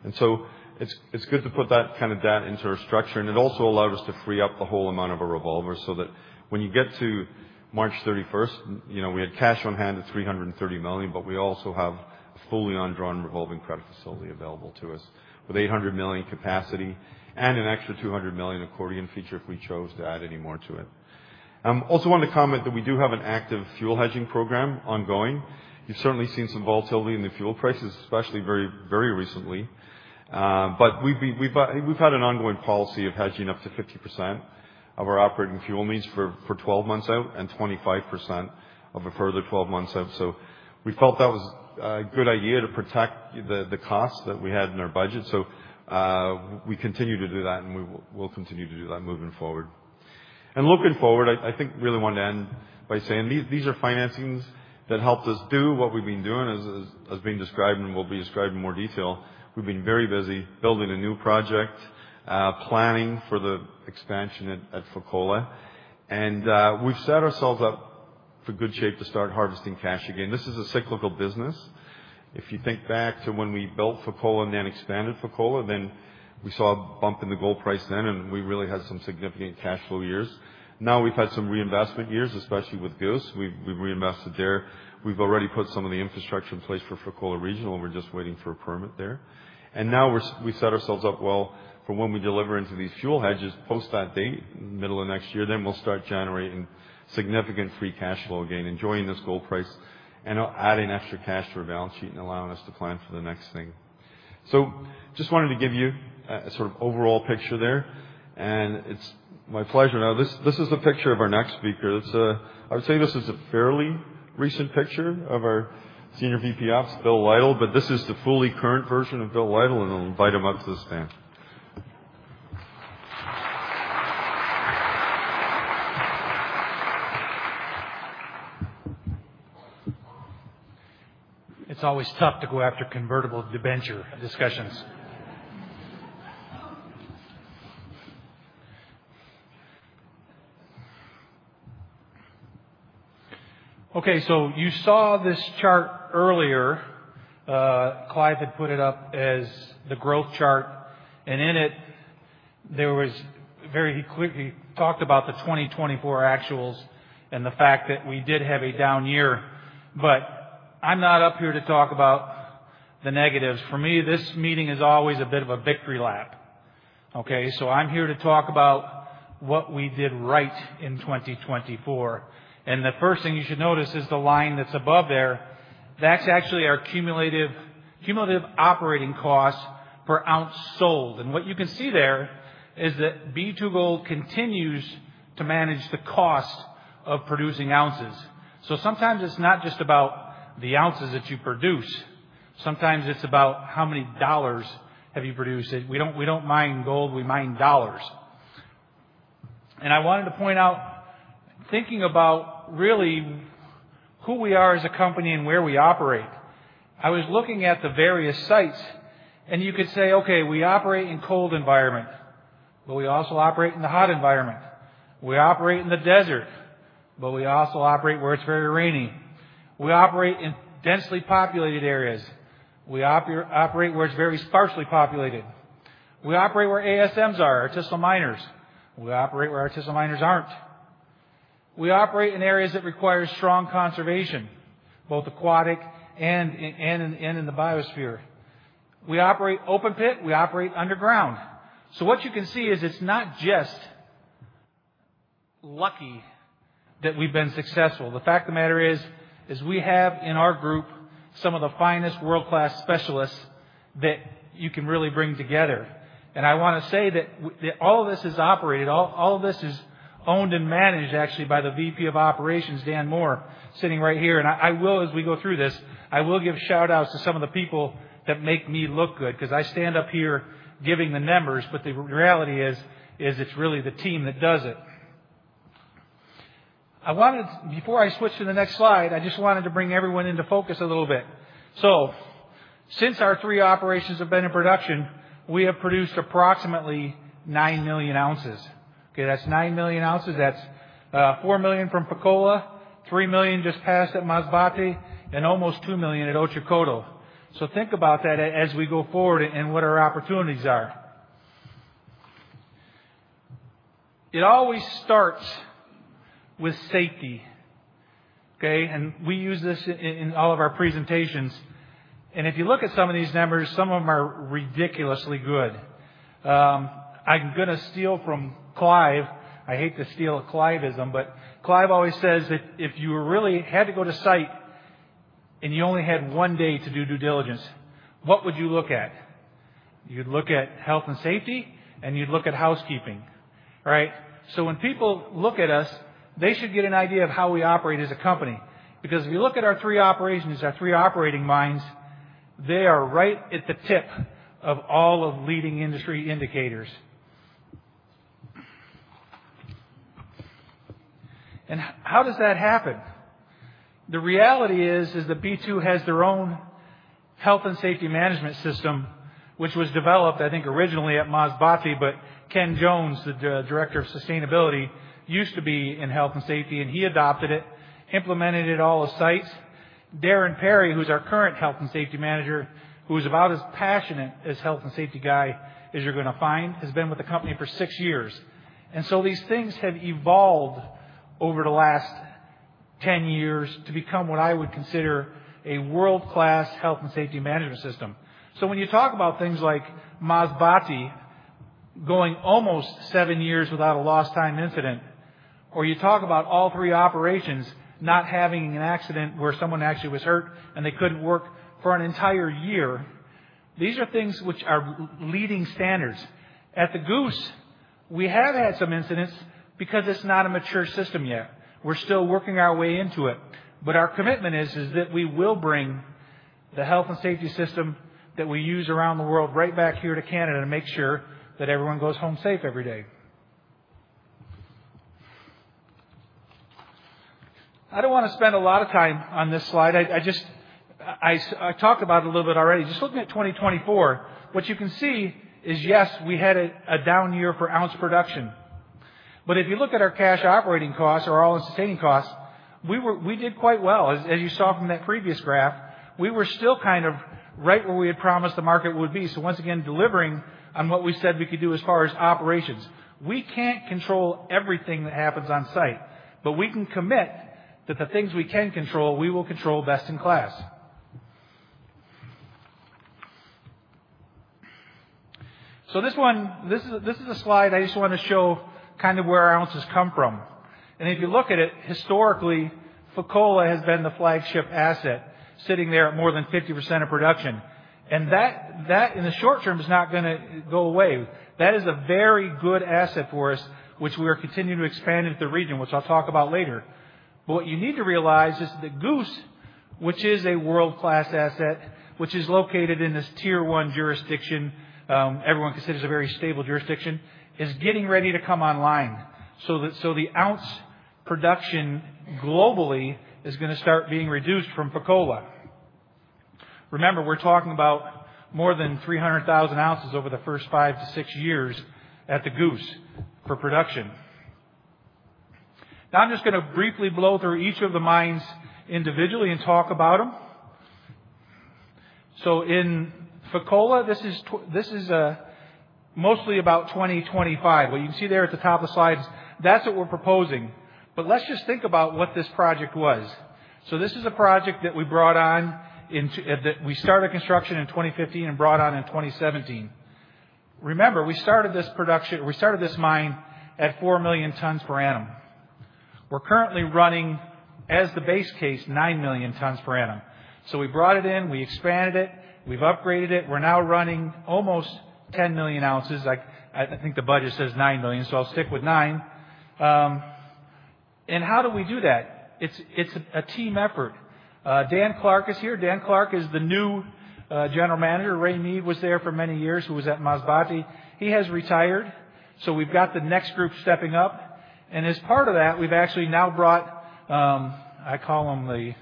And so it's good to put that kind of debt into our structure. And it also allowed us to free up the whole amount of our revolver so that when you get to March 31st, we had cash on hand at $330 million, but we also have a fully undrawn revolving credit facility available to us with $800 million capacity and an extra $200 million accordion feature if we chose to add any more to it. I also wanted to comment that we do have an active fuel hedging program ongoing. You've certainly seen some volatility in the fuel prices, especially very recently. But we've had an ongoing policy of hedging up to 50% of our operating fuel needs for 12 months out and 25% of a further 12 months out. So we felt that was a good idea to protect the costs that we had in our budget. So we continue to do that, and we will continue to do that moving forward. And looking forward, I think really want to end by saying these are financings that helped us do what we've been doing, as has been described and will be described in more detail. We've been very busy building a new project, planning for the expansion at Fekola. And we've set ourselves up for good shape to start harvesting cash again. This is a cyclical business. If you think back to when we built Fekola and then expanded Fekola, then we saw a bump in the gold price then, and we really had some significant cash flow years. Now we've had some reinvestment years, especially with Goose. We've reinvested there. We've already put some of the infrastructure in place for Fekola Regional. We're just waiting for a permit there. And now we've set ourselves up well for when we deliver into these fuel hedges post that date, middle of next year, then we'll start generating significant free cash flow again, enjoying this gold price and adding extra cash to our balance sheet and allowing us to plan for the next thing. So just wanted to give you a sort of overall picture there. And it's my pleasure. Now, this is a picture of our next speaker. I would say this is a fairly recent picture of our Senior VP Ops, Bill Lytle, but this is the fully current version of Bill Lytle, and I'll invite him up to the stand. It's always tough to go after convertible debenture discussions. Okay, so you saw this chart earlier. Clive had put it up as the growth chart, and in it, there was very clearly talked about the 2024 actuals and the fact that we did have a down year. But I'm not up here to talk about the negatives. For me, this meeting is always a bit of a victory lap. Okay, so I'm here to talk about what we did right in 2024. And the first thing you should notice is the line that's above there. That's actually our cumulative operating cost per ounce sold. What you can see there is that B2Gold continues to manage the cost of producing ounces. So sometimes it's not just about the ounces that you produce. Sometimes it's about how many dollars have you produced. We don't mine gold. We mine dollars. I wanted to point out, thinking about really who we are as a company and where we operate, I was looking at the various sites, and you could say, okay, we operate in cold environment, but we also operate in the hot environment. We operate in the desert, but we also operate where it's very rainy. We operate in densely populated areas. We operate where it's very sparsely populated. We operate where ASM is, artisanal miners. We operate where artisanal miners aren't. We operate in areas that require strong conservation, both aquatic and in the biosphere. We operate open-pit. We operate underground. So what you can see is it's not just lucky that we've been successful. The fact of the matter is we have in our group some of the finest world-class specialists that you can really bring together. And I want to say that all of this is operated. All of this is owned and managed, actually, by the VP of Operations, Dan Moore, sitting right here. And as we go through this, I will give shout-outs to some of the people that make me look good because I stand up here giving the numbers, but the reality is it's really the team that does it. Before I switch to the next slide, I just wanted to bring everyone into focus a little bit. So since our three operations have been in production, we have produced approximately 9 million ounces. Okay, that's 9 million ounces. That's 4 million from Fekola, 3 million just passed at Masbate, and almost 2 million at Otjikoto. So think about that as we go forward and what our opportunities are. It always starts with safety. Okay, and we use this in all of our presentations. And if you look at some of these numbers, some of them are ridiculously good. I'm going to steal from Clive. I hate to steal Cliveism, but Clive always says that if you really had to go to site and you only had one day to do due diligence, what would you look at? You'd look at health and safety, and you'd look at housekeeping. All right? When people look at us, they should get an idea of how we operate as a company because if you look at our three operations, our three operating mines, they are right at the tip of all of leading industry indicators. How does that happen? The reality is that B2 has their own health and safety management system, which was developed, I think, originally at Masbate, but Ken Jones, the Director of Sustainability, used to be in health and safety, and he adopted it, implemented it at all the sites. Darren Perry, who's our current health and safety manager, who's about as passionate a health and safety guy as you're going to find, has been with the company for six years. So these things have evolved over the last 10 years to become what I would consider a world-class health and safety management system. So when you talk about things like Masbate going almost seven years without a lost time incident, or you talk about all three operations not having an accident where someone actually was hurt and they couldn't work for an entire year, these are things which are leading standards. At the Goose, we have had some incidents because it's not a mature system yet. We're still working our way into it. But our commitment is that we will bring the health and safety system that we use around the world right back here to Canada to make sure that everyone goes home safe every day. I don't want to spend a lot of time on this slide. I talked about it a little bit already. Just looking at 2024, what you can see is, yes, we had a down year for ounce production. But if you look at our cash operating costs or all-in sustaining costs, we did quite well. As you saw from that previous graph, we were still kind of right where we had promised the market would be. So once again, delivering on what we said we could do as far as operations. We can't control everything that happens on site, but we can commit that the things we can control, we will control best in class. So this is a slide I just want to show kind of where our ounces come from. And if you look at it, historically, Fekola has been the flagship asset sitting there at more than 50% of production. And that, in the short term, is not going to go away. That is a very good asset for us, which we are continuing to expand into the region, which I'll talk about later. But what you need to realize is that Goose, which is a world-class asset, which is located in this tier one jurisdiction, everyone considers a very stable jurisdiction, is getting ready to come online. So the ounce production globally is going to start being reduced from Fekola. Remember, we're talking about more than 300,000 ounces over the first five to six years at the Goose for production. Now, I'm just going to briefly blow through each of the mines individually and talk about them. So in Fekola, this is mostly about 2025. What you can see there at the top of the slides, that's what we're proposing. But let's just think about what this project was. So this is a project that we brought on that we started construction in 2015 and brought on in 2017. Remember, we started this production. We started this mine at 4 million tons per annum. We're currently running, as the base case, 9 million tons per annum. So we brought it in, we expanded it, we've upgraded it. We're now running almost 10 million ounces. I think the budget says 9 million, so I'll stick with 9. And how do we do that? It's a team effort. Dan Clark is here. Dan Clark is the new General Manager. Ray Mead was there for many years who was at Masbate. He has retired. So we've got the next group stepping up. And as part of that, we've actually now brought, I call them the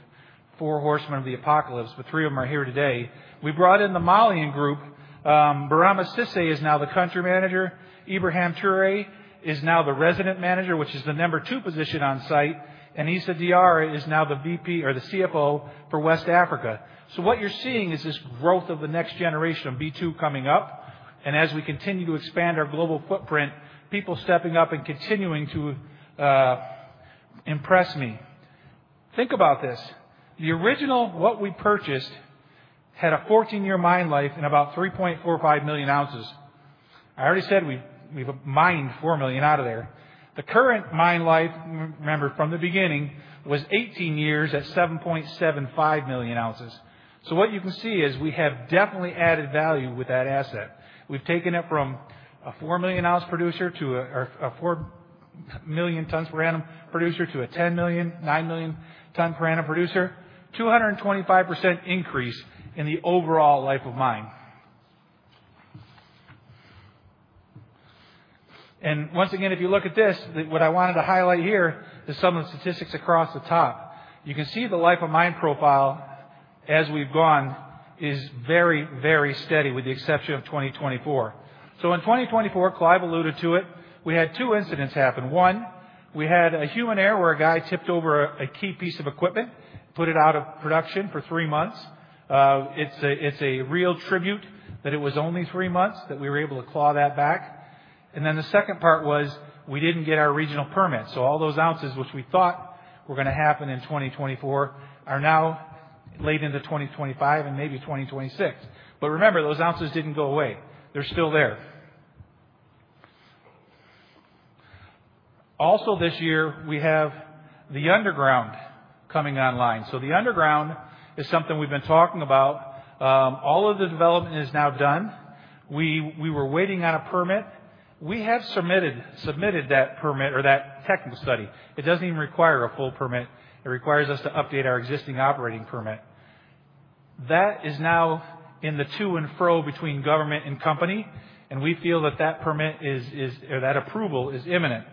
four horsemen of the apocalypse, but three of them are here today. We brought in the Malian group. Birama Cissé is now the country manager. Ibrahim Toure is now the resident manager, which is the number two position on site. And Issa Diarra is now the VP or the CFO for West Africa. So what you're seeing is this growth of the next generation of B2 coming up. And as we continue to expand our global footprint, people stepping up and continuing to impress me. Think about this. The original, what we purchased, had a 14-year mine life and about 3.45 million ounces. I already said we've mined 4 million out of there. The current mine life, remember, from the beginning, was 18 years at 7.75 million ounces. So what you can see is we have definitely added value with that asset. We've taken it from a four million ounce producer to a four million tons per annum producer to a 10 million, nine million ton per annum producer, 225% increase in the overall life of mine. And once again, if you look at this, what I wanted to highlight here is some of the statistics across the top. You can see the life of mine profile as we've gone is very, very steady with the exception of 2024. So in 2024, Clive alluded to it, we had two incidents happen. One, we had a human error where a guy tipped over a key piece of equipment, put it out of production for three months. It's a real tribute that it was only three months that we were able to claw that back. And then the second part was we didn't get our regional permit. So all those ounces, which we thought were going to happen in 2024, are now late into 2025 and maybe 2026. But remember, those ounces didn't go away. They're still there. Also this year, we have the underground coming online. So the underground is something we've been talking about. All of the development is now done. We were waiting on a permit. We have submitted that permit or that technical study. It doesn't even require a full permit. It requires us to update our existing operating permit. That is now in the to and fro between government and company, and we feel that that permit or that approval is imminent,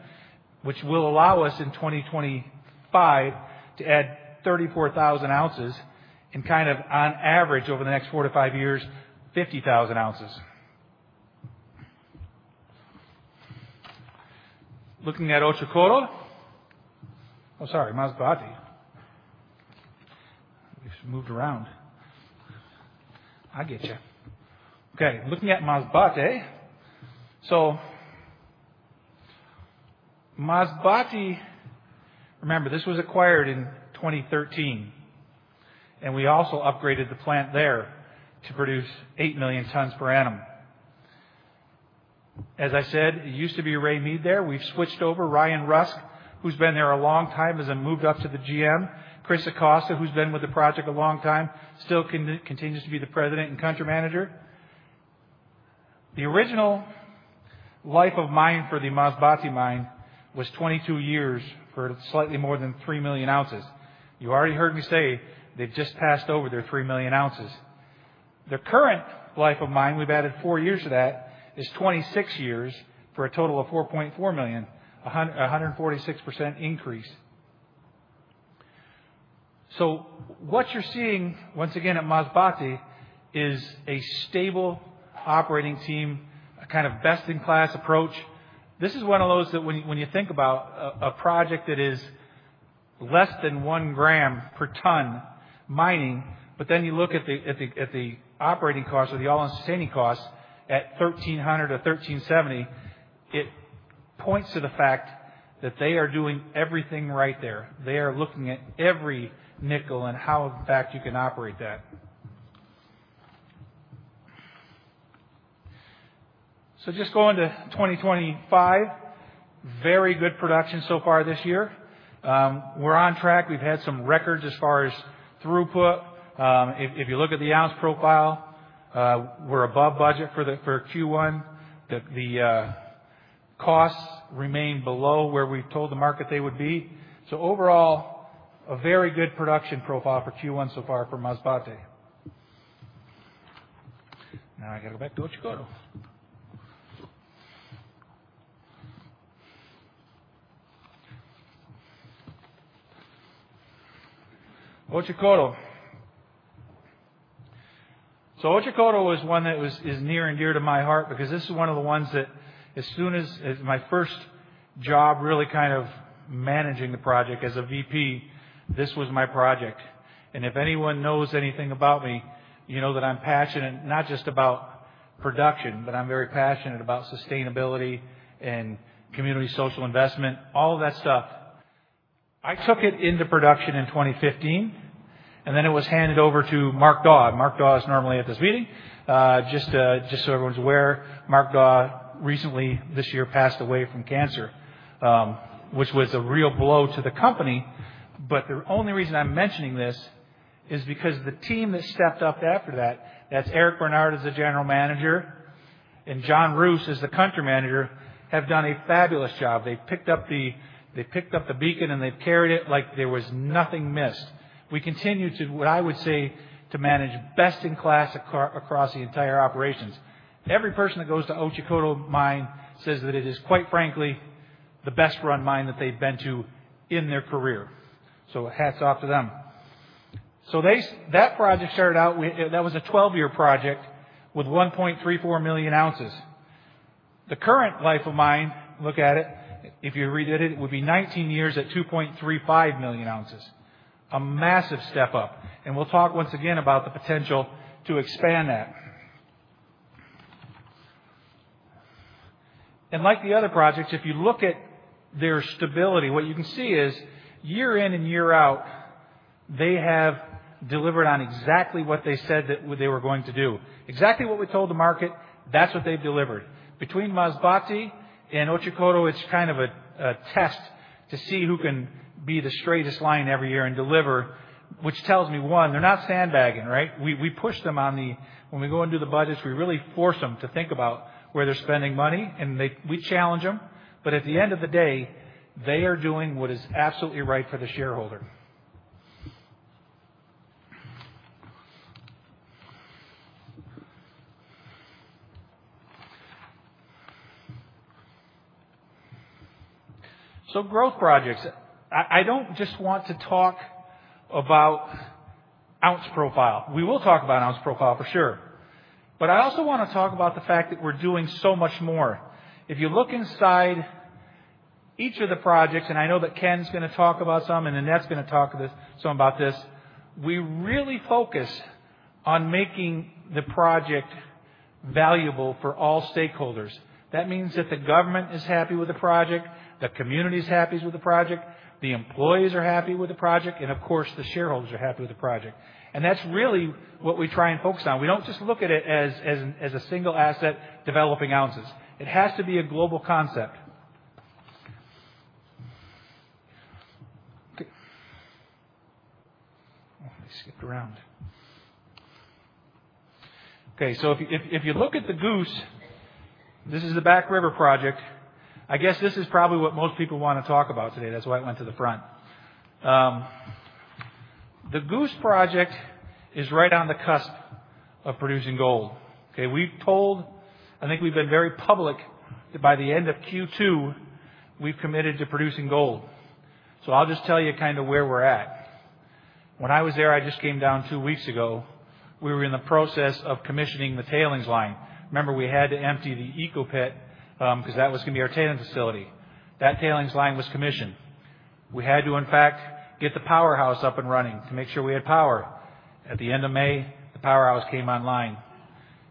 which will allow us in 2025 to add 34,000 ounces and kind of, on average, over the next four to five years, 50,000 ounces. Looking at Otjikoto. Oh, sorry, Masbate. We've moved around. I get you. Okay, looking at Masbate. So Masbate, remember, this was acquired in 2013, and we also upgraded the plant there to produce eight million tons per annum. As I said, it used to be Ray Mead there. We've switched over to Ryan Rusk, who's been there a long time and has moved up to the GM, Chris Acosta, who's been with the project a long time, still continues to be the president and country manager. The original life of mine for the Masbate mine was 22 years for slightly more than three million ounces. You already heard me say they've just passed over their three million ounces. The current life of mine, we've added four years to that, is 26 years for a total of 4.4 million, a 146% increase. So what you're seeing, once again, at Masbate is a stable operating team, a kind of best-in-class approach. This is one of those that when you think about a project that is less than 1 gram per ton mining, but then you look at the operating costs or the all-in sustaining costs at $1,300 or $1,370, it points to the fact that they are doing everything right there. They are looking at every nickel and how, in fact, you can operate that. So just going to 2025, very good production so far this year. We're on track. We've had some records as far as throughput. If you look at the ounce profile, we're above budget for Q1. The costs remain below where we've told the market they would be. So overall, a very good production profile for Q1 so far for Masbate. Now I got to go back to Otjikoto. Otjikoto. Otjikoto is one that is near and dear to my heart because this is one of the ones that, as soon as my first job, really kind of managing the project as a VP, this was my project. And if anyone knows anything about me, you know that I'm passionate, not just about production, but I'm very passionate about sustainability and community social investment, all of that stuff. I took it into production in 2015, and then it was handed over to Mark Dawe. Mark Dawe is normally at this meeting. Just so everyone's aware, Mark Dawe recently this year passed away from cancer, which was a real blow to the company. But the only reason I'm mentioning this is because the team that stepped up after that, that's Eric Barnard as the general manager and John Roos as the country manager, have done a fabulous job. They picked up the beacon and they've carried it like there was nothing missed. We continue to, what I would say, to manage best in class across the entire operations. Every person that goes to Otjikoto mine says that it is, quite frankly, the best-run mine that they've been to in their career, so hats off to them, so that project started out, that was a 12-year project with 1.34 million ounces. The current life of mine, look at it, if you redid it, it would be 19 years at 2.35 million ounces. A massive step up, and we'll talk once again about the potential to expand that, and like the other projects, if you look at their stability, what you can see is year in and year out, they have delivered on exactly what they said that they were going to do. Exactly what we told the market, that's what they've delivered. Between Masbate and Otjikoto, it's kind of a test to see who can be the straightest line every year and deliver, which tells me, one, they're not sandbagging, right? We push them on the, when we go into the budgets, we really force them to think about where they're spending money, and we challenge them. But at the end of the day, they are doing what is absolutely right for the shareholder. So growth projects. I don't just want to talk about ounce profile. We will talk about ounce profile for sure. But I also want to talk about the fact that we're doing so much more. If you look inside each of the projects, and I know that Ken's going to talk about some, and Annette's going to talk to some about this, we really focus on making the project valuable for all stakeholders. That means that the government is happy with the project, the community is happy with the project, the employees are happy with the project, and of course, the shareholders are happy with the project. That's really what we try and focus on. We don't just look at it as a single asset developing ounces. It has to be a global concept. Okay. I skipped around. Okay, so if you look at the Goose, this is the Back River project. I guess this is probably what most people want to talk about today. That's why it went to the front. The Goose project is right on the cusp of producing gold. Okay, we've told, I think we've been very public that by the end of Q2, we've committed to producing gold. So I'll just tell you kind of where we're at. When I was there, I just came down two weeks ago. We were in the process of commissioning the tailings line. Remember, we had to empty the Echo Pit because that was going to be our tailings facility. That tailings line was commissioned. We had to, in fact, get the powerhouse up and running to make sure we had power. At the end of May, the powerhouse came online.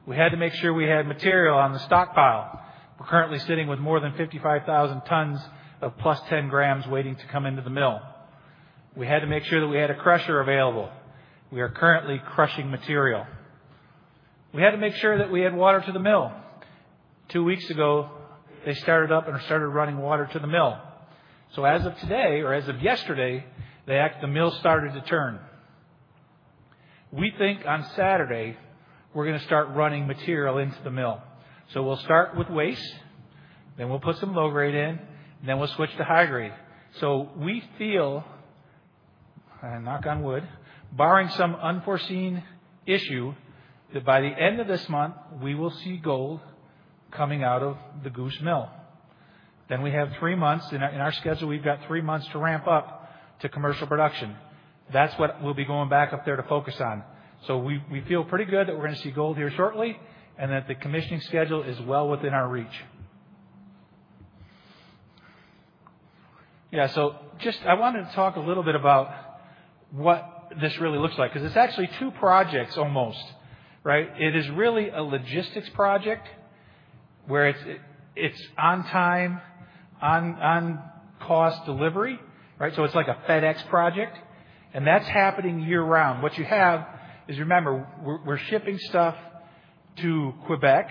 We had to make sure we had material on the stockpile. We're currently sitting with more than 55,000 tons of plus 10 grams waiting to come into the mill. We had to make sure that we had a crusher available. We are currently crushing material. We had to make sure that we had water to the mill. Two weeks ago, they started up and started running water to the mill. So as of today, or as of yesterday, the mill started to turn. We think on Saturday, we're going to start running material into the mill. So we'll start with waste, then we'll put some low-grade in, then we'll switch to high-grade. So we feel, and knock on wood, barring some unforeseen issue, that by the end of this month, we will see gold coming out of the Goose mill. Then we have three months in our schedule. We've got three months to ramp up to commercial production. That's what we'll be going back up there to focus on. So we feel pretty good that we're going to see gold here shortly and that the commissioning schedule is well within our reach. Yeah, so just I wanted to talk a little bit about what this really looks like because it's actually two projects almost, right? It is really a logistics project where it's on time, on cost delivery, right, so it's like a FedEx project. That's happening year-round. What you have is, remember, we're shipping stuff to Quebec,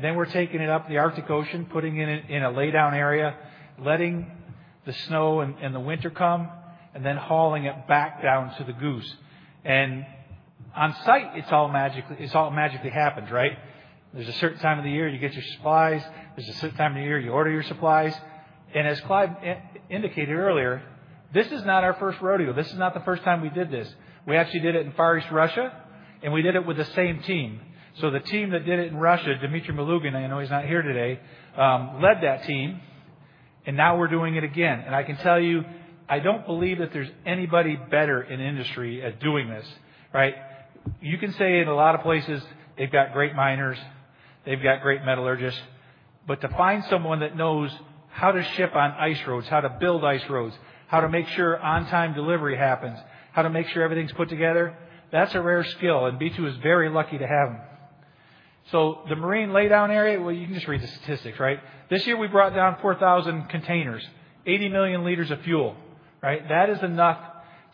then we're taking it up the Arctic Ocean, putting it in a laydown area, letting the snow and the winter come, and then hauling it back down to the Goose. On site, it's all magically happened, right? There's a certain time of the year you get your supplies. There's a certain time of the year you order your supplies. As Clive indicated earlier, this is not our first rodeo. This is not the first time we did this. We actually did it in Far East Russia, and we did it with the same team. So the team that did it in Russia, Dmitry Malugin, I know he's not here today, led that team, and now we're doing it again. And I can tell you, I don't believe that there's anybody better in industry at doing this, right? You can say in a lot of places, they've got great miners, they've got great metallurgists, but to find someone that knows how to ship on ice roads, how to build ice roads, how to make sure on-time delivery happens, how to make sure everything's put together, that's a rare skill, and B2 is very lucky to have them. So the marine laydown area, well, you can just read the statistics, right? This year, we brought down 4,000 containers, 80 million liters of fuel, right? That is enough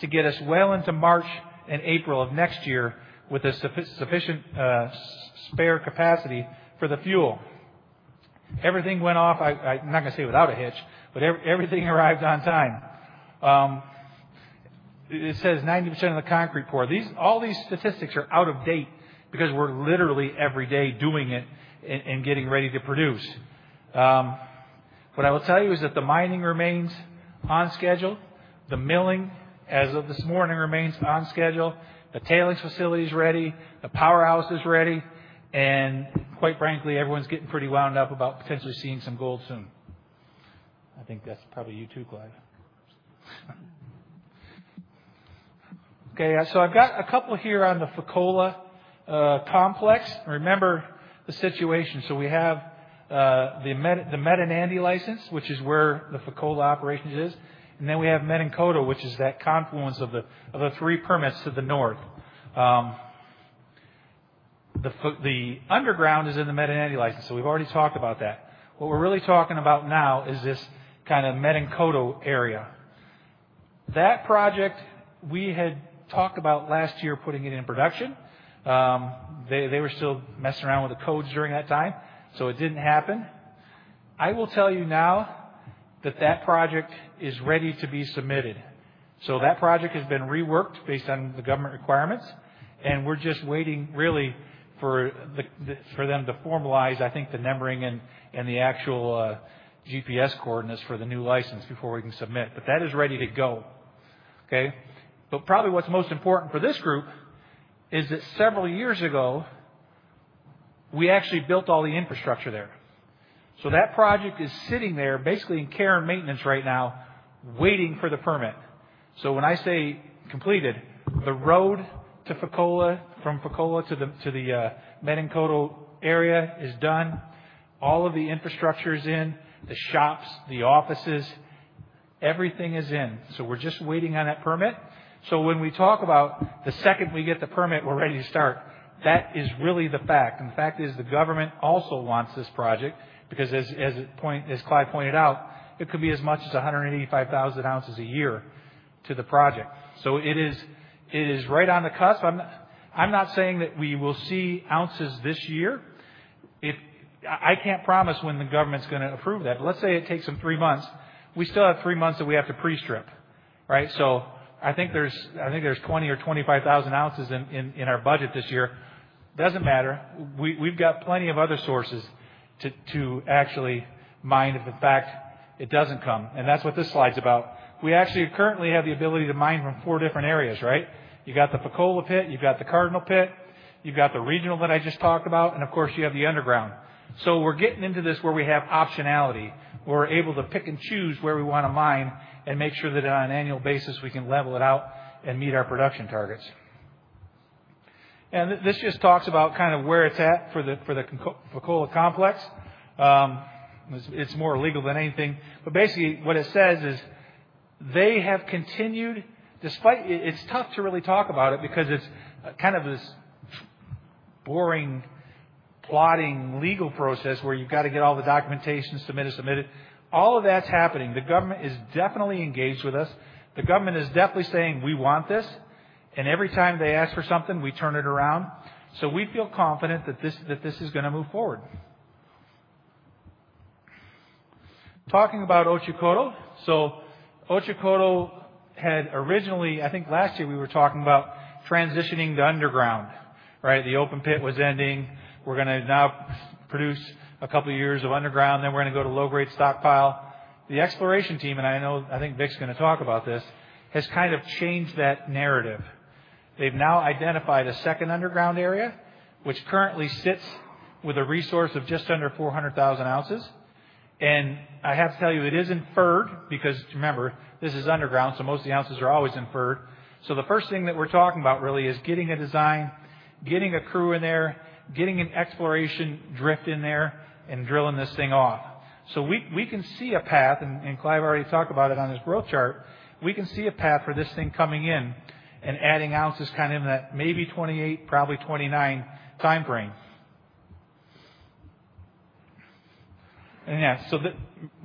to get us well into March and April of next year with a sufficient spare capacity for the fuel. Everything went off, I'm not going to say without a hitch, but everything arrived on time. It says 90% of the concrete pour. All these statistics are out of date because we're literally every day doing it and getting ready to produce. What I will tell you is that the mining remains on schedule. The milling, as of this morning, remains on schedule. The tailings facility is ready. The powerhouse is ready. And quite frankly, everyone's getting pretty wound up about potentially seeing some gold soon. I think that's probably you too, Clive. Okay, so I've got a couple here on the Fekola Complex. Remember the situation. So we have the Medinandi license, which is where the Fekola operations is. And then we have Menankoto, which is that confluence of the three permits to the north. The underground is in the Medinandi license, so we've already talked about that. What we're really talking about now is this kind of Menankoto area. That project, we had talked about last year putting it in production. They were still messing around with the codes during that time, so it didn't happen. I will tell you now that that project is ready to be submitted. So that project has been reworked based on the government requirements, and we're just waiting really for them to formalize, I think, the numbering and the actual GPS coordinates for the new license before we can submit. But that is ready to go, okay? Probably what's most important for this group is that several years ago, we actually built all the infrastructure there. So that project is sitting there basically in care and maintenance right now, waiting for the permit. So when I say completed, the road to Fekola, from Fekola to the Menankoto area is done. All of the infrastructure is in, the shops, the offices, everything is in. So we're just waiting on that permit. So when we talk about the second we get the permit, we're ready to start, that is really the fact. And the fact is the government also wants this project because, as Clive pointed out, it could be as much as 185,000 ounces a year to the project. So it is right on the cusp. I'm not saying that we will see ounces this year. I can't promise when the government's going to approve that. But let's say it takes them three months. We still have three months that we have to pre-strip, right? So I think there's 20,000 or 25,000 ounces in our budget this year. Doesn't matter. We've got plenty of other sources to actually mine if, in fact, it doesn't come. And that's what this slide's about. We actually currently have the ability to mine from four different areas, right? You've got the Fekola pit, you've got the Cardinal pit, you've got the regional that I just talked about, and of course, you have the underground. So we're getting into this where we have optionality, where we're able to pick and choose where we want to mine and make sure that on an annual basis, we can level it out and meet our production targets. And this just talks about kind of where it's at for the Fekola Complex. It's more legal than anything. But basically, what it says is they have continued, despite it's tough to really talk about it because it's kind of this boring, plodding legal process where you've got to get all the documentation, submit it, submit it. All of that's happening. The government is definitely engaged with us. The government is definitely saying, "We want this." And every time they ask for something, we turn it around. So we feel confident that this is going to move forward. Talking about Otjikoto, so Otjikoto had originally, I think last year, we were talking about transitioning the underground, right? The open pit was ending. We're going to now produce a couple of years of underground. Then we're going to go to low-grade stockpile. The exploration team, and I know I think Vic's going to talk about this, has kind of changed that narrative. They've now identified a second underground area, which currently sits with a resource of just under 400,000 ounces, and I have to tell you, it is inferred because, remember, this is underground, so most of the ounces are always inferred, so the first thing that we're talking about really is getting a design, getting a crew in there, getting an exploration drift in there, and drilling this thing off, so we can see a path, and Clive already talked about it on his growth chart. We can see a path for this thing coming in and adding ounces kind of in that maybe 2028, probably 2029 timeframe, and yeah, so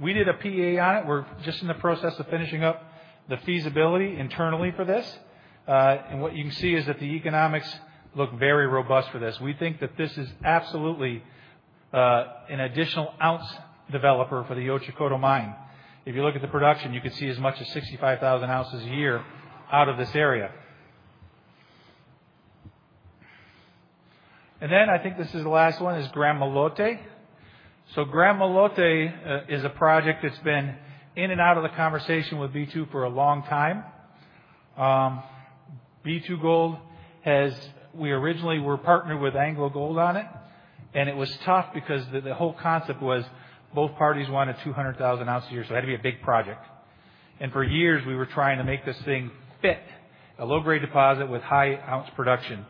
we did a PA on it. We're just in the process of finishing up the feasibility internally for this. What you can see is that the economics look very robust for this. We think that this is absolutely an additional ounce developer for the Otjikoto mine. If you look at the production, you can see as much as 65,000 ounces a year out of this area. Then I think this is the last one is Gramalote. Gramalote is a project that's been in and out of the conversation with B2 for a long time. B2Gold has, we originally were partnered with AngloGold on it, and it was tough because the whole concept was both parties wanted 200,000 ounces a year, so it had to be a big project. For years, we were trying to make this thing fit, a low-grade deposit with high ounce production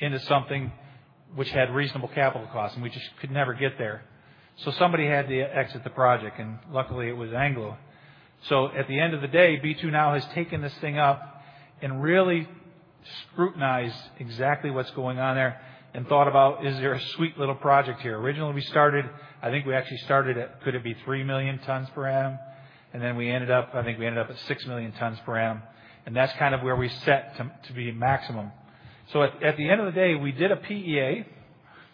into something which had reasonable capital costs, and we just could never get there. Somebody had to exit the project, and luckily, it was Anglo. At the end of the day, B2 now has taken this thing up and really scrutinized exactly what's going on there and thought about, "Is there a sweet little project here?" Originally, we started, I think we actually started at, could it be 3 million tons per annum? And then we ended up, I think we ended up at 6 million tons per annum. And that's kind of where we set to be maximum. At the end of the day, we did a PEA.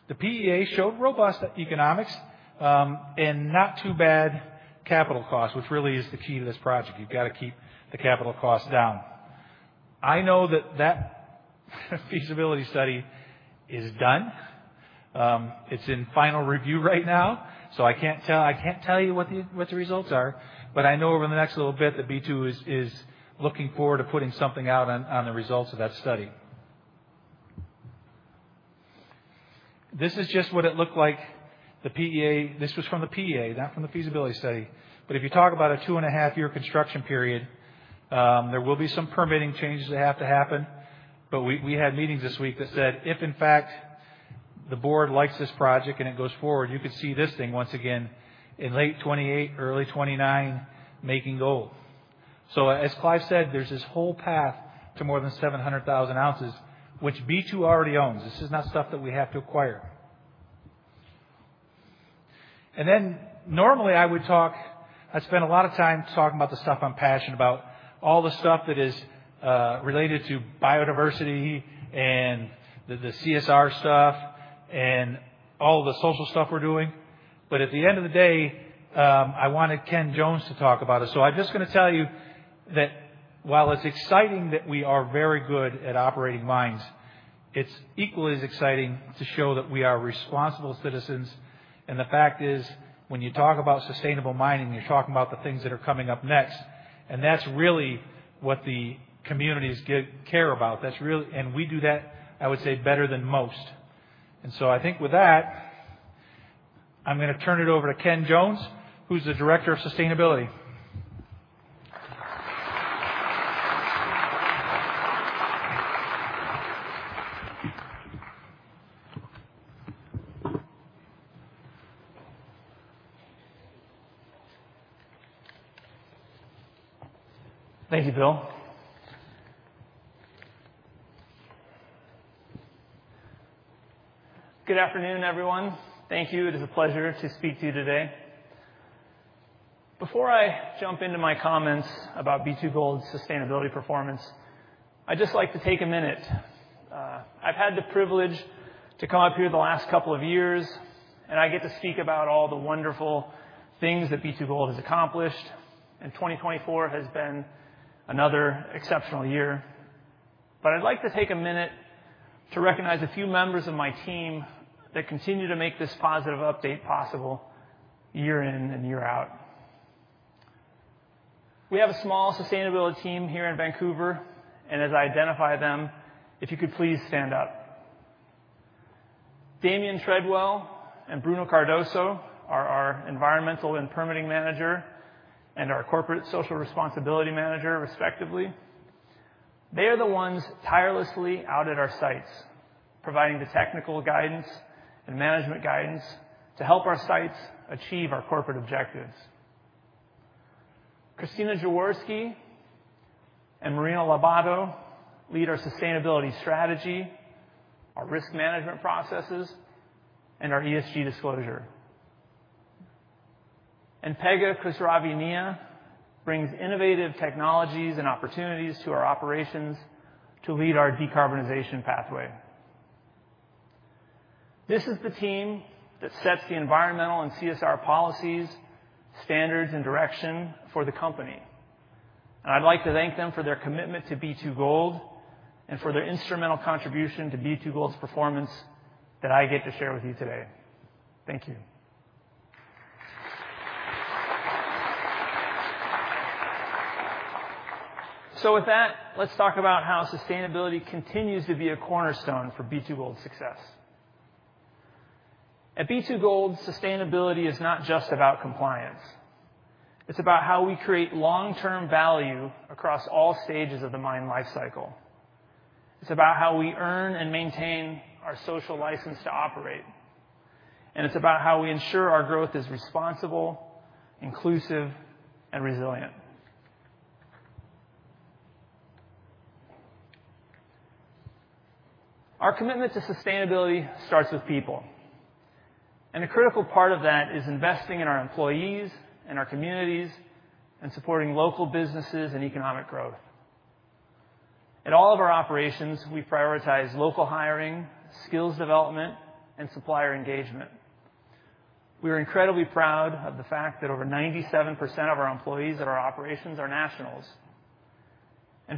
The PEA showed robust economics and not too bad capital costs, which really is the key to this project. You've got to keep the capital costs down. I know that that feasibility study is done. It's in final review right now, so I can't tell you what the results are. But I know over the next little bit that B2 is looking forward to putting something out on the results of that study. This is just what it looked like. This was from the PEA, not from the feasibility study. But if you talk about a two-and-a-half-year construction period, there will be some permitting changes that have to happen. But we had meetings this week that said, "If in fact the board likes this project and it goes forward, you could see this thing once again in late 2028, early 2029 making gold." So as Clive said, there's this whole path to more than 700,000 ounces, which B2 already owns. This is not stuff that we have to acquire. And then normally, I would talk. I spend a lot of time talking about the stuff I'm passionate about, all the stuff that is related to biodiversity and the CSR stuff and all the social stuff we're doing. But at the end of the day, I wanted Ken Jones to talk about it. So I'm just going to tell you that while it's exciting that we are very good at operating mines, it's equally as exciting to show that we are responsible citizens. And the fact is, when you talk about sustainable mining, you're talking about the things that are coming up next. And that's really what the communities care about. And we do that, I would say, better than most. And so I think with that, I'm going to turn it over to Ken Jones, who's the Director of Sustainability. Thank you, Bill. Good afternoon, everyone. Thank you. It is a pleasure to speak to you today. Before I jump into my comments about B2Gold's sustainability performance, I'd just like to take a minute. I've had the privilege to come up here the last couple of years, and I get to speak about all the wonderful things that B2Gold has accomplished. And 2024 has been another exceptional year. But I'd like to take a minute to recognize a few members of my team that continue to make this positive update possible year in and year out. We have a small sustainability team here in Vancouver, and as I identify them, if you could please stand up. Damian Treadwell and Bruno Cardoso are our environmental and permitting manager and our corporate social responsibility manager, respectively. They are the ones tirelessly out at our sites, providing the technical guidance and management guidance to help our sites achieve our corporate objectives. Christina Jaworski and Marina Loubser lead our sustainability strategy, our risk management processes, and our ESG disclosure. And Pegah Khosravian brings innovative technologies and opportunities to our operations to lead our decarbonization pathway. This is the team that sets the environmental and CSR policies, standards, and direction for the company. And I'd like to thank them for their commitment to B2Gold and for their instrumental contribution to B2Gold's performance that I get to share with you today. Thank you. So with that, let's talk about how sustainability continues to be a cornerstone for B2Gold's success. At B2Gold, sustainability is not just about compliance. It's about how we create long-term value across all stages of the mine lifecycle. It's about how we earn and maintain our social license to operate, and it's about how we ensure our growth is responsible, inclusive, and resilient. Our commitment to sustainability starts with people. A critical part of that is investing in our employees and our communities and supporting local businesses and economic growth. In all of our operations, we prioritize local hiring, skills development, and supplier engagement. We are incredibly proud of the fact that over 97% of our employees at our operations are nationals.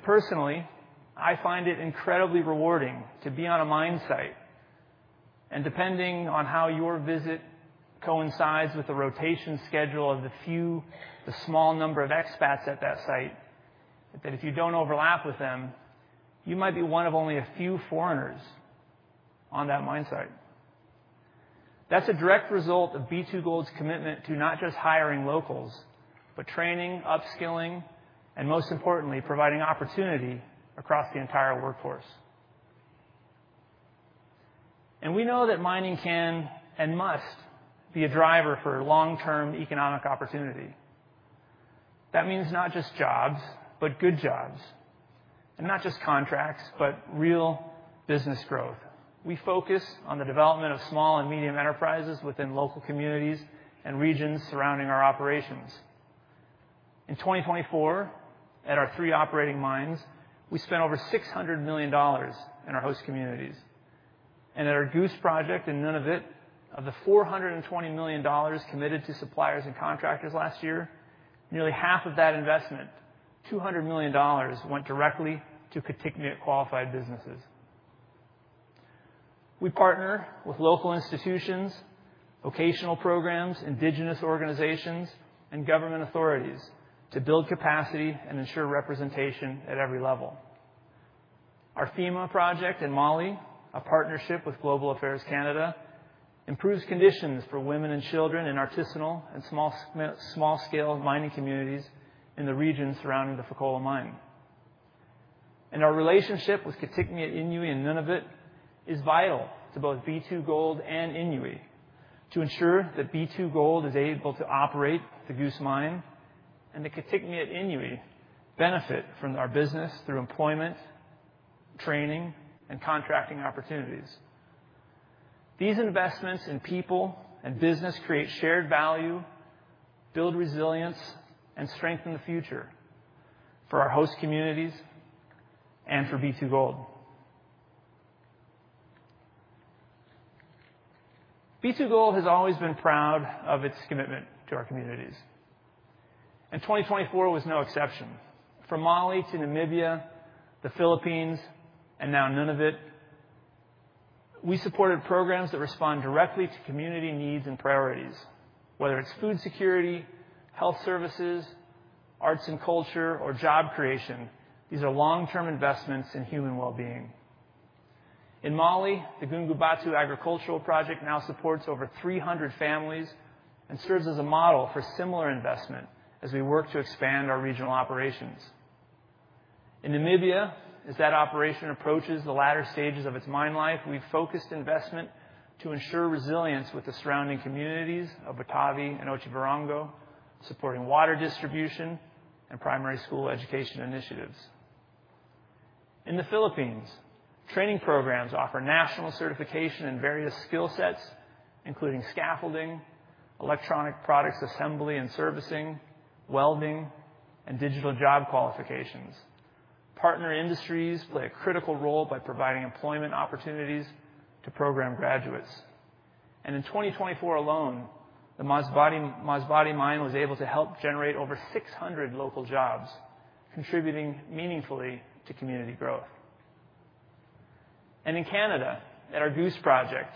Personally, I find it incredibly rewarding to be on a mine site, and depending on how your visit coincides with the rotation schedule of the few, the small number of expats at that site, that if you don't overlap with them, you might be one of only a few foreigners on that mine site. That's a direct result of B2Gold's commitment to not just hiring locals, but training, upskilling, and most importantly, providing opportunity across the entire workforce, and we know that mining can and must be a driver for long-term economic opportunity. That means not just jobs, but good jobs, and not just contracts, but real business growth. We focus on the development of small and medium enterprises within local communities and regions surrounding our operations. In 2024, at our three operating mines, we spent over $600 million in our host communities, and at our Goose Project in Nunavut, of the $420 million committed to suppliers and contractors last year, nearly half of that investment, $200 million, went directly to Kitikmeot qualified businesses. We partner with local institutions, vocational programs, indigenous organizations, and government authorities to build capacity and ensure representation at every level. Our FEMA project in Mali, a partnership with Global Affairs Canada, improves conditions for women and children in artisanal and small-scale mining communities in the region surrounding the Fekola mine. And our relationship with Kitikmeot Inuit and Nunavut is vital to both B2Gold and Inuit to ensure that B2Gold is able to operate the Goose mine and that Kitikmeot Inuit benefit from our business through employment, training, and contracting opportunities. These investments in people and business create shared value, build resilience, and strengthen the future for our host communities and for B2Gold. B2Gold has always been proud of its commitment to our communities. And 2024 was no exception. From Mali to Namibia, the Philippines, and now Nunavut, we supported programs that respond directly to community needs and priorities, whether it's food security, health services, arts and culture, or job creation. These are long-term investments in human well-being. In Mali, the Goungoubato Agricultural Project now supports over 300 families and serves as a model for similar investment as we work to expand our regional operations. In Namibia, as that operation approaches the latter stages of its mine life, we've focused investment to ensure resilience with the surrounding communities of Otavi and Otjiwarongo, supporting water distribution and primary school education initiatives. In the Philippines, training programs offer national certification in various skill sets, including scaffolding, electronic products assembly and servicing, welding, and digital job qualifications. Partner industries play a critical role by providing employment opportunities to program graduates. And in 2024 alone, the Masbate mine was able to help generate over 600 local jobs, contributing meaningfully to community growth. In Canada, at our Goose Project,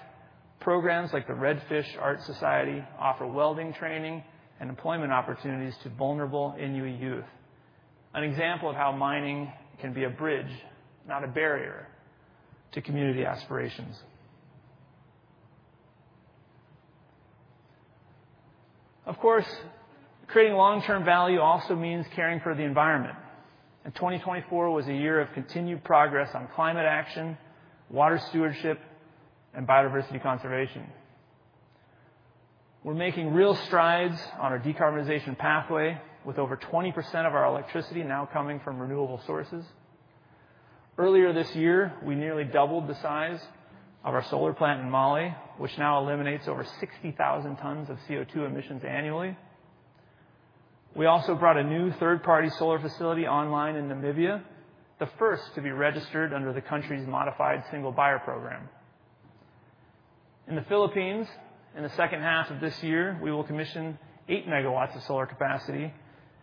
programs like the Red Fish Art Society offer welding training and employment opportunities to vulnerable Inuit youth, an example of how mining can be a bridge, not a barrier, to community aspirations. Of course, creating long-term value also means caring for the environment. 2024 was a year of continued progress on climate action, water stewardship, and biodiversity conservation. We're making real strides on our decarbonization pathway with over 20% of our electricity now coming from renewable sources. Earlier this year, we nearly doubled the size of our solar plant in Mali, which now eliminates over 60,000 tons of CO2 emissions annually. We also brought a new third-party solar facility online in Namibia, the first to be registered under the country's Modified Single Buyer program. In the Philippines, in the second half of this year, we will commission eight megawatts of solar capacity,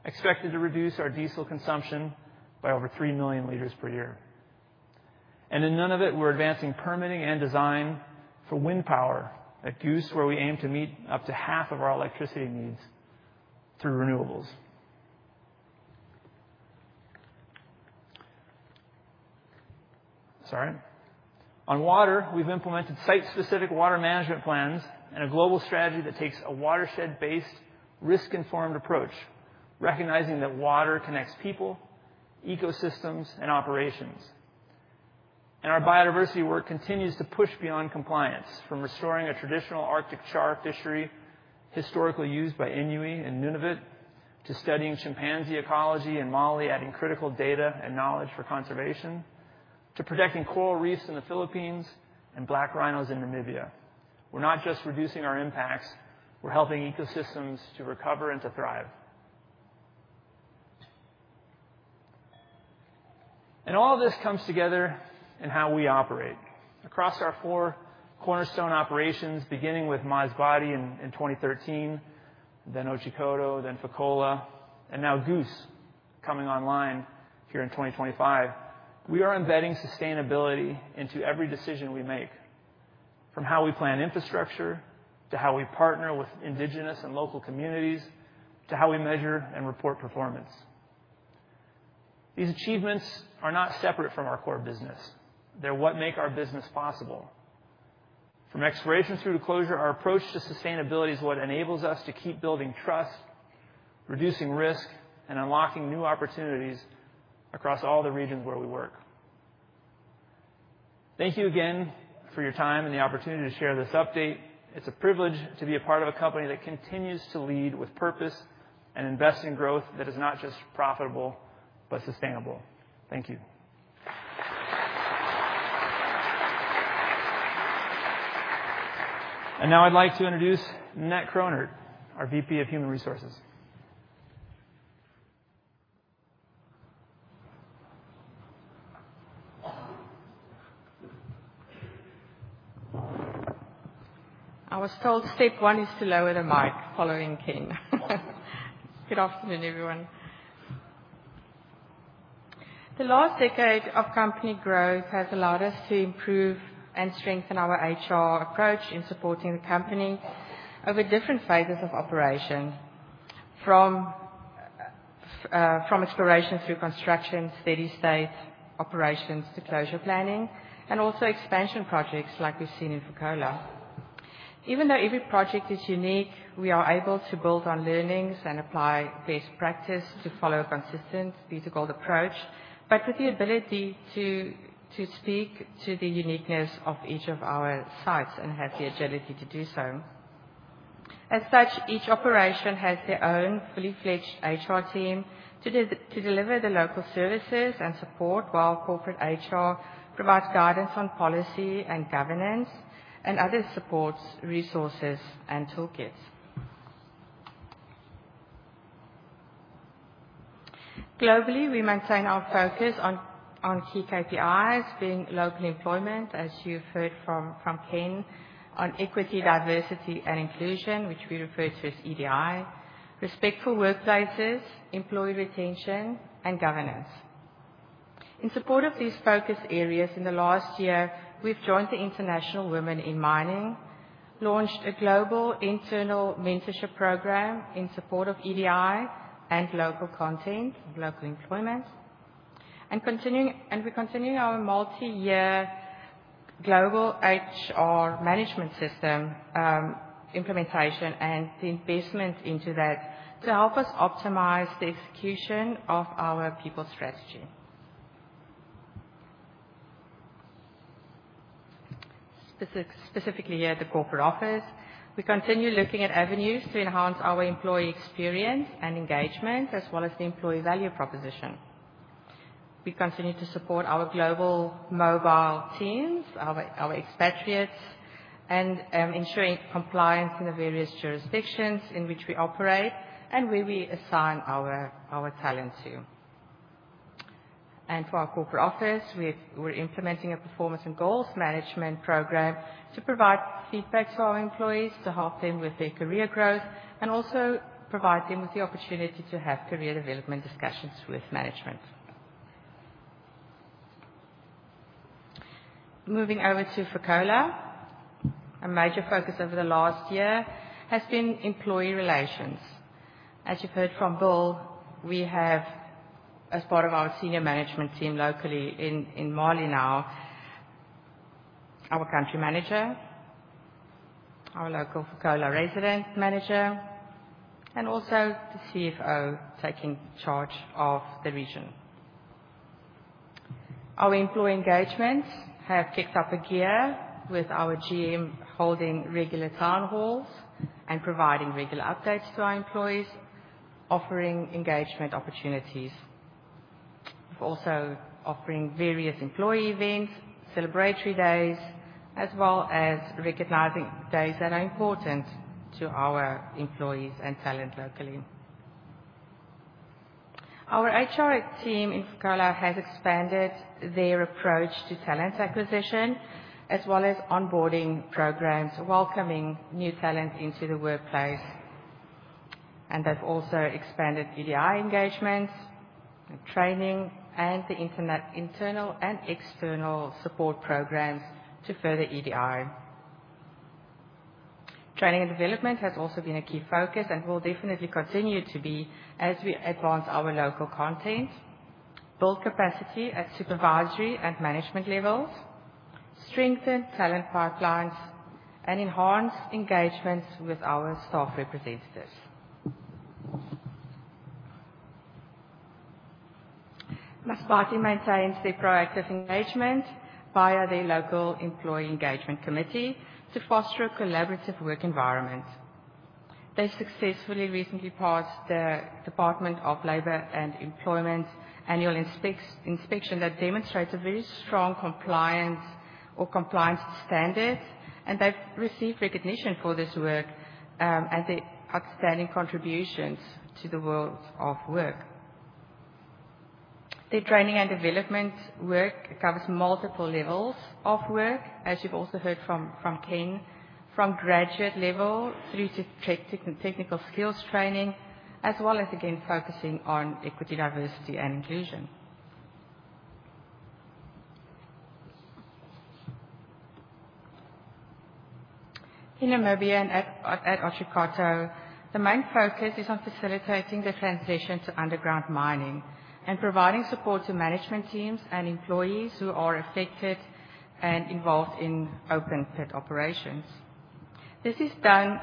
expected to reduce our diesel consumption by over three million liters per year, and in Nunavut, we're advancing permitting and design for wind power at Goose, where we aim to meet up to half of our electricity needs through renewables. Sorry. On water, we've implemented site-specific water management plans and a global strategy that takes a watershed-based, risk-informed approach, recognizing that water connects people, ecosystems, and operations, and our biodiversity work continues to push beyond compliance, from restoring a traditional Arctic char fishery historically used by Inuit in Nunavut to studying chimpanzee ecology in Mali, adding critical data and knowledge for conservation, to protecting coral reefs in the Philippines and black rhinos in Namibia. We're not just reducing our impacts. We're helping ecosystems to recover and to thrive. And all of this comes together in how we operate. Across our four cornerstone operations, beginning with Masbate in 2013, then Otjikoto, then Fekola, and now Goose coming online here in 2025, we are embedding sustainability into every decision we make, from how we plan infrastructure to how we partner with indigenous and local communities to how we measure and report performance. These achievements are not separate from our core business. They're what make our business possible. From exploration through to closure, our approach to sustainability is what enables us to keep building trust, reducing risk, and unlocking new opportunities across all the regions where we work. Thank you again for your time and the opportunity to share this update. It's a privilege to be a part of a company that continues to lead with purpose and invest in growth that is not just profitable, but sustainable. Thank you. And now I'd like to introduce Ninette Krohnert, our VP of Human Resources. I was told step one is to lower the mic following Ken. Good afternoon, everyone. The last decade of company growth has allowed us to improve and strengthen our HR approach in supporting the company over different phases of operation, from exploration through construction, steady state operations to closure planning, and also expansion projects like we've seen in Fekola. Even though every project is unique, we are able to build on learnings and apply best practice to follow a consistent B2Gold approach, but with the ability to speak to the uniqueness of each of our sites and have the agility to do so. As such, each operation has their own fully fledged HR team to deliver the local services and support, while corporate HR provides guidance on policy and governance and other supports, resources, and toolkits. Globally, we maintain our focus on key KPIs, being local employment, as you've heard from Ken, on equity, diversity, and inclusion, which we refer to as EDI, respectful workplaces, employee retention, and governance. In support of these focus areas, in the last year, we've joined the International Women in Mining, launched a global internal mentorship program in support of EDI and local content, local employment, and we're continuing our multi-year global HR management system implementation and the investment into that to help us optimize the execution of our people strategy. Specifically at the corporate office, we continue looking at avenues to enhance our employee experience and engagement, as well as the employee value proposition. We continue to support our global mobile teams, our expatriates, and ensuring compliance in the various jurisdictions in which we operate and where we assign our talent to. For our corporate office, we're implementing a performance and goals management program to provide feedback to our employees to help them with their career growth and also provide them with the opportunity to have career development discussions with management. Moving over to Fekola, a major focus over the last year has been employee relations. As you've heard from Bill, we have, as part of our senior management team locally in Mali now, our country manager, our local Fekola resident manager, and also the CFO taking charge of the region. Our employee engagements have kicked up a gear with our GM holding regular town halls and providing regular updates to our employees, offering engagement opportunities. We're also offering various employee events, celebratory days, as well as recognizing days that are important to our employees and talent locally. Our HR team in Fekola has expanded their approach to talent acquisition, as well as onboarding programs, welcoming new talent into the workplace, and they've also expanded EDI engagements, training, and the internal and external support programs to further EDI. Training and development has also been a key focus and will definitely continue to be as we advance our local content, build capacity at supervisory and management levels, strengthen talent pipelines, and enhance engagements with our staff representatives. Masbate maintains their proactive engagement via their local employee engagement committee to foster a collaborative work environment. They successfully recently passed the Department of Labor and Employment annual inspection that demonstrates a very strong compliance standard, and they've received recognition for this work and their outstanding contributions to the world of work. Their training and development work covers multiple levels of work, as you've also heard from Ken, from graduate level through to technical skills training, as well as, again, focusing on equity, diversity, and inclusion. In Namibia and at Otjikoto, the main focus is on facilitating the transition to underground mining and providing support to management teams and employees who are affected and involved in open pit operations. This is done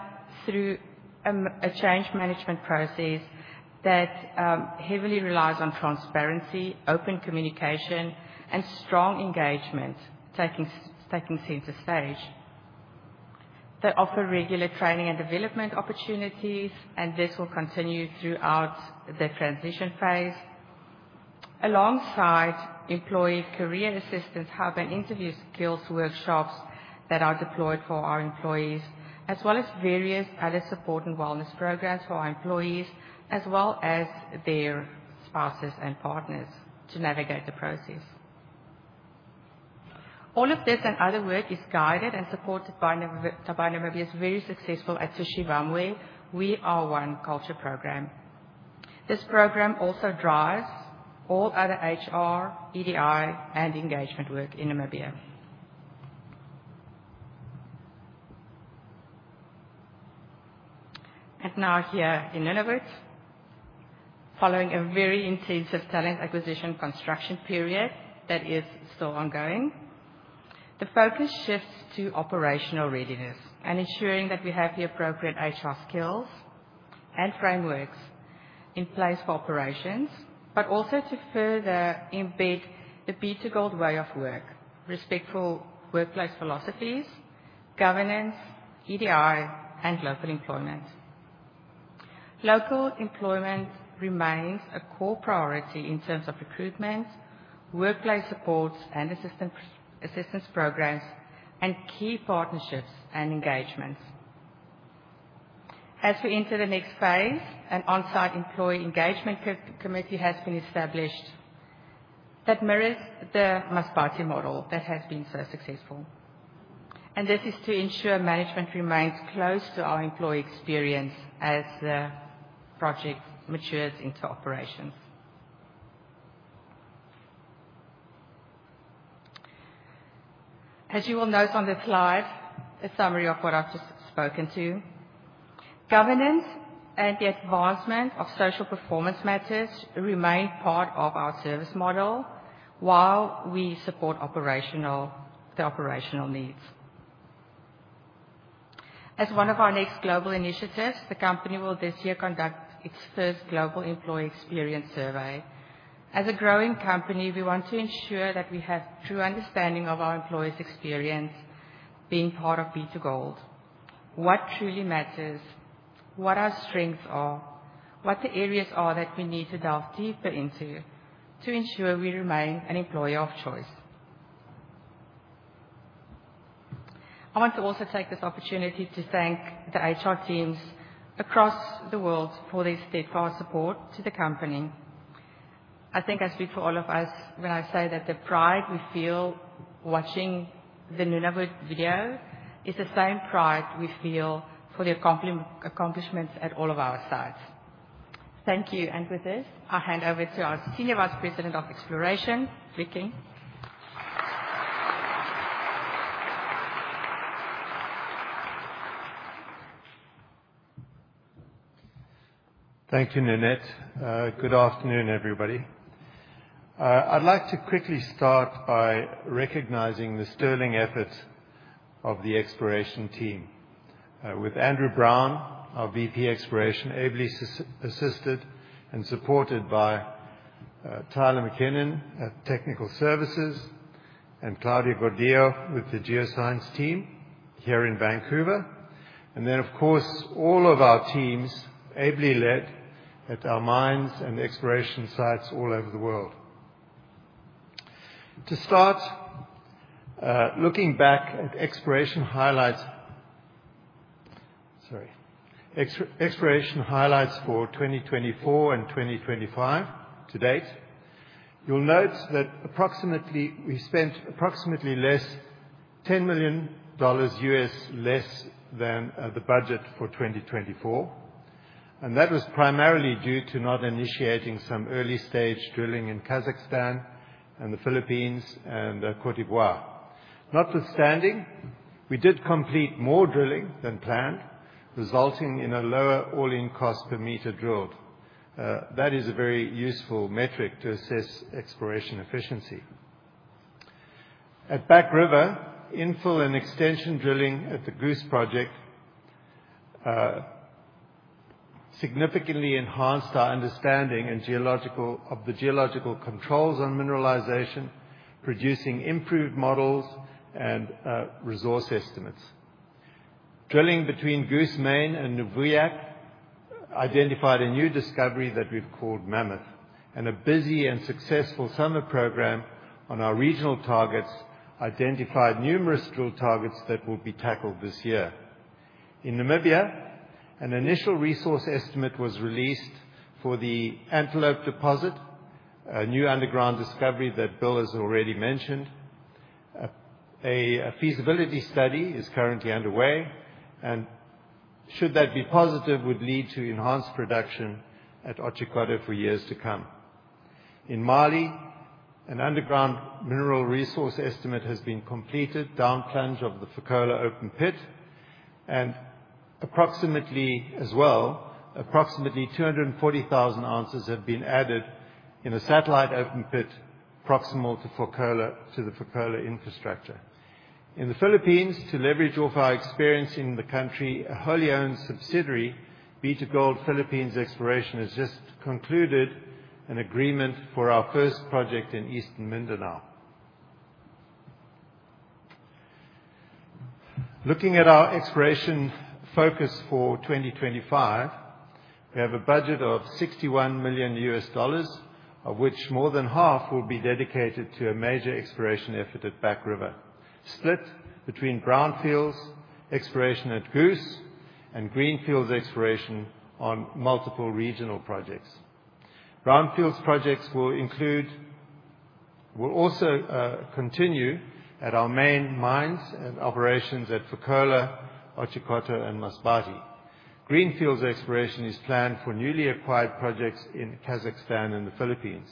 through a change management process that heavily relies on transparency, open communication, and strong engagement, taking center stage. They offer regular training and development opportunities, and this will continue throughout the transition phase, alongside employee career assistance, hub, and interview skills workshops that are deployed for our employees, as well as various other support and wellness programs for our employees, as well as their spouses and partners to navigate the process. All of this and other work is guided and supported by Namibia's very successful Atushe Vamwe, We Are One culture program. This program also drives all other HR, EDI, and engagement work in Namibia. Now here in Nunavut, following a very intensive talent acquisition construction period that is still ongoing, the focus shifts to operational readiness and ensuring that we have the appropriate HR skills and frameworks in place for operations, but also to further embed the B2Gold way of work, respectful workplace philosophies, governance, EDI, and local employment. Local employment remains a core priority in terms of recruitment, workplace supports and assistance programs, and key partnerships and engagements. As we enter the next phase, an on-site employee engagement committee has been established that mirrors the Masbate model that has been so successful. And this is to ensure management remains close to our employee experience as the project matures into operations. As you will note on the slide, a summary of what I've just spoken to. Governance and the advancement of social performance matters remain part of our service model while we support the operational needs. As one of our next global initiatives, the company will this year conduct its first global employee experience survey. As a growing company, we want to ensure that we have a true understanding of our employees' experience being part of B2Gold. What truly matters, what our strengths are, what the areas are that we need to delve deeper into to ensure we remain an employer of choice. I want to also take this opportunity to thank the HR teams across the world for their steadfast support to the company. I think I speak for all of us when I say that the pride we feel watching the Nunavut video is the same pride we feel for the accomplishments at all of our sites. Thank you. And with this, I hand over to our Senior Vice President of Exploration, Victor King. Thank you, Ninette. Good afternoon, everybody. I'd like to quickly start by recognizing the sterling efforts of the exploration team. With Andrew Brown, our VP Exploration, ably assisted and supported by Tyler McKinnon at Technical Services and Claudia Gordillo with the geoscience team here in Vancouver. And then, of course, all of our teams ably led at our mines and exploration sites all over the world. To start, looking back at exploration highlights for 2024 and 2025 to date, you'll note that we spent approximately $10 million less than the budget for 2024. And that was primarily due to not initiating some early-stage drilling in Kazakhstan and the Philippines and Côte d'Ivoire. Notwithstanding, we did complete more drilling than planned, resulting in a lower all-in cost per meter drilled. That is a very useful metric to assess exploration efficiency. At Back River, infill and extension drilling at the Goose Project significantly enhanced our understanding of the geological controls on mineralization, producing improved models and resource estimates. Drilling between Goose Main and Nuvuyak identified a new discovery that we've called Mammoth, and a busy and successful summer program on our regional targets identified numerous drill targets that will be tackled this year. In Namibia, an initial resource estimate was released for the Antelope deposit, a new underground discovery that Bill has already mentioned. A feasibility study is currently underway, and should that be positive, it would lead to enhanced production at Otjikoto for years to come. In Mali, an underground mineral resource estimate has been completed downplunge of the Fekola open pit, and approximately as well, 240,000 ounces have been added in a satellite open pit proximal to the Fekola infrastructure. In the Philippines, to leverage all of our experience in the country, a wholly owned subsidiary, B2Gold Philippines Exploration, has just concluded an agreement for our first project in Eastern Mindanao. Looking at our exploration focus for 2025, we have a budget of $61 million U.S. dollars, of which more than half will be dedicated to a major exploration effort at Back River, split between brownfields exploration at Goose and greenfields exploration on multiple regional projects. Brownfields projects will also continue at our main mines and operations at Fekola, Otjikoto, and Masbate. Greenfields exploration is planned for newly acquired projects in Kazakhstan and the Philippines,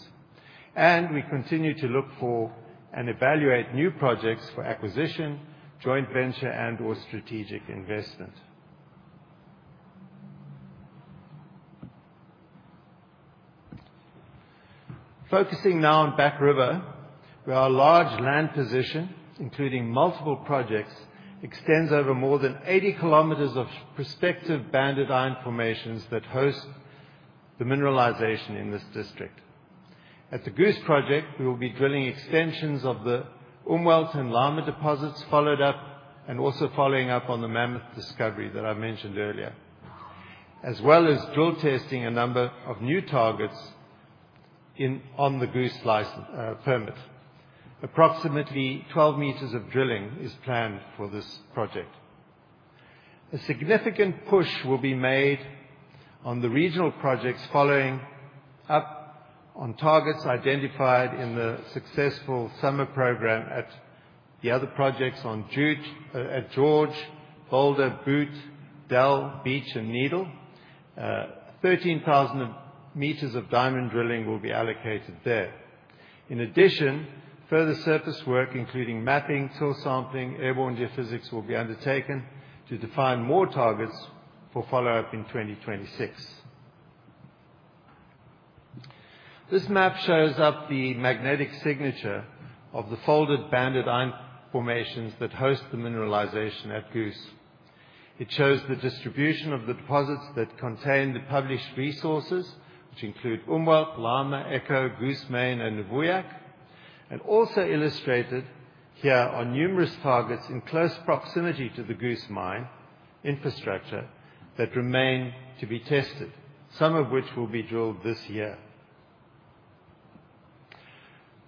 and we continue to look for and evaluate new projects for acquisition, joint venture, and/or strategic investment. Focusing now on Back River, where our large land position, including multiple projects, extends over more than 80 kilometers of prospective banded iron formations that host the mineralization in this district. At the Goose Project, we will be drilling extensions of the Umwelt and Llama deposits, following up on the Mammoth discovery that I mentioned earlier, as well as drill testing a number of new targets on the Goose permit. Approximately 12 meters of drilling is planned for this project. A significant push will be made on the regional projects following up on targets identified in the successful summer program at the other projects on George, Boulder, Boot, Del, Beach, and Needle. 13,000 meters of diamond drilling will be allocated there. In addition, further surface work, including mapping, soil sampling, airborne geophysics, will be undertaken to define more targets for follow-up in 2026. This map shows up the magnetic signature of the folded banded iron formations that host the mineralization at Goose. It shows the distribution of the deposits that contain the published resources, which include Umwelt, Llama, Echo, Goose Main, and Nuvuyak, and also illustrated here are numerous targets in close proximity to the Goose mine infrastructure that remain to be tested, some of which will be drilled this year.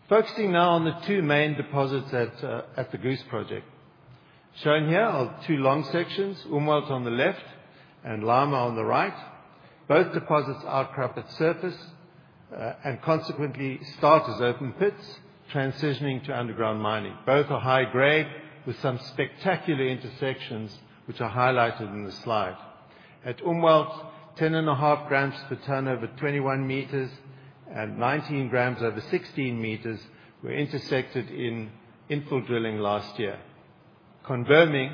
Focusing now on the two main deposits at the Goose Project. Shown here are two long sections, Umwelt on the left and Llama on the right. Both deposits are outcrop at surface and consequently start as open pits, transitioning to underground mining. Both are high-grade with some spectacular intersections, which are highlighted in the slide. At Umwelt, 10 and a half grams per tonne over 21 meters and 19 grams over 16 meters were intersected in infill drilling last year, confirming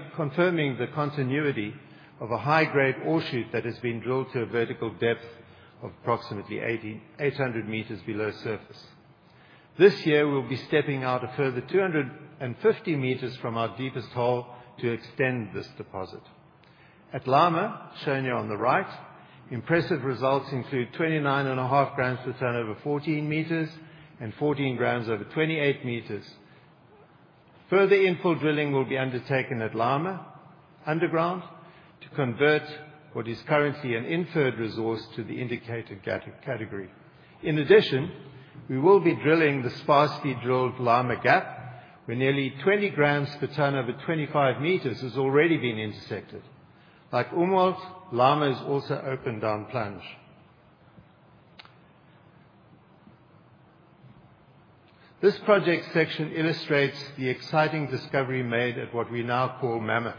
the continuity of a high-grade ore shoot that has been drilled to a vertical depth of approximately 800 meters below surface. This year, we'll be stepping out a further 250 meters from our deepest hole to extend this deposit. At Llama, shown here on the right, impressive results include 29 and a half grams per tonne over 14 meters and 14 grams over 28 meters. Further infill drilling will be undertaken at Llama underground to convert what is currently an inferred resource to the indicated category. In addition, we will be drilling the sparsely drilled Llama gap, where nearly 20 grams per tonne over 25 meters has already been intersected. Like Umwelt, Llama is also open downplunge. This project section illustrates the exciting discovery made at what we now call Mammoth.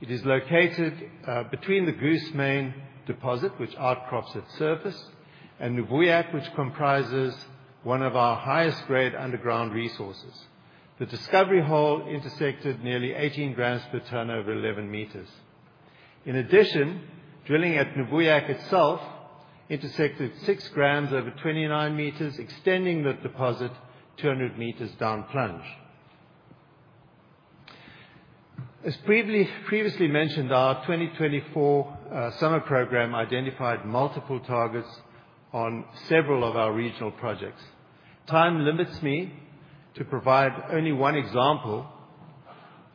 It is located between the Goose Main deposit, which outcrops at surface, and Nuvuyak, which comprises one of our highest-grade underground resources. The discovery hole intersected nearly 18 grams per tonne over 11 meters. In addition, drilling at Nuvuyak itself intersected 6 grams over 29 meters, extending the deposit 200 meters downplunge. As previously mentioned, our 2024 summer program identified multiple targets on several of our regional projects. Time limits me to provide only one example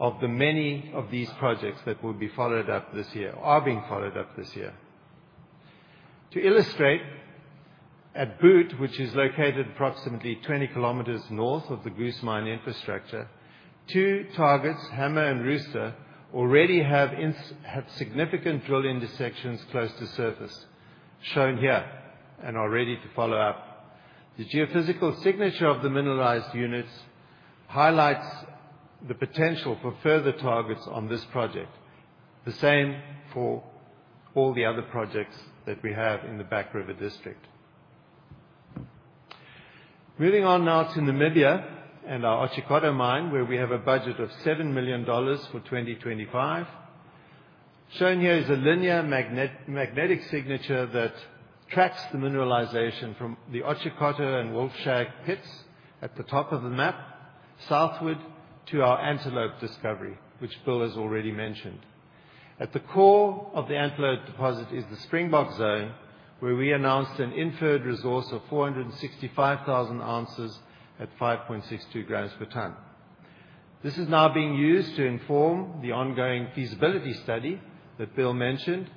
of the many of these projects that will be followed up this year, are being followed up this year. To illustrate, at Boot, which is located approximately 20 kilometers north of the Goose mine infrastructure, two targets, Hammer and Rooster, already have significant drill intersections close to surface, shown here and are ready to follow up. The geophysical signature of the mineralized units highlights the potential for further targets on this project, the same for all the other projects that we have in the Back River district. Moving on now to Namibia and our Otjikoto mine, where we have a budget of $7 million for 2025. Shown here is a linear magnetic signature that tracks the mineralization from the Otjikoto and Wolfshag pits at the top of the map southward to our Antelope discovery, which Bill has already mentioned. At the core of the Antelope deposit is the Springbok zone, where we announced an inferred resource of 465,000 ounces at 5.62 grams per ton. This is now being used to inform the ongoing feasibility study that Bill mentioned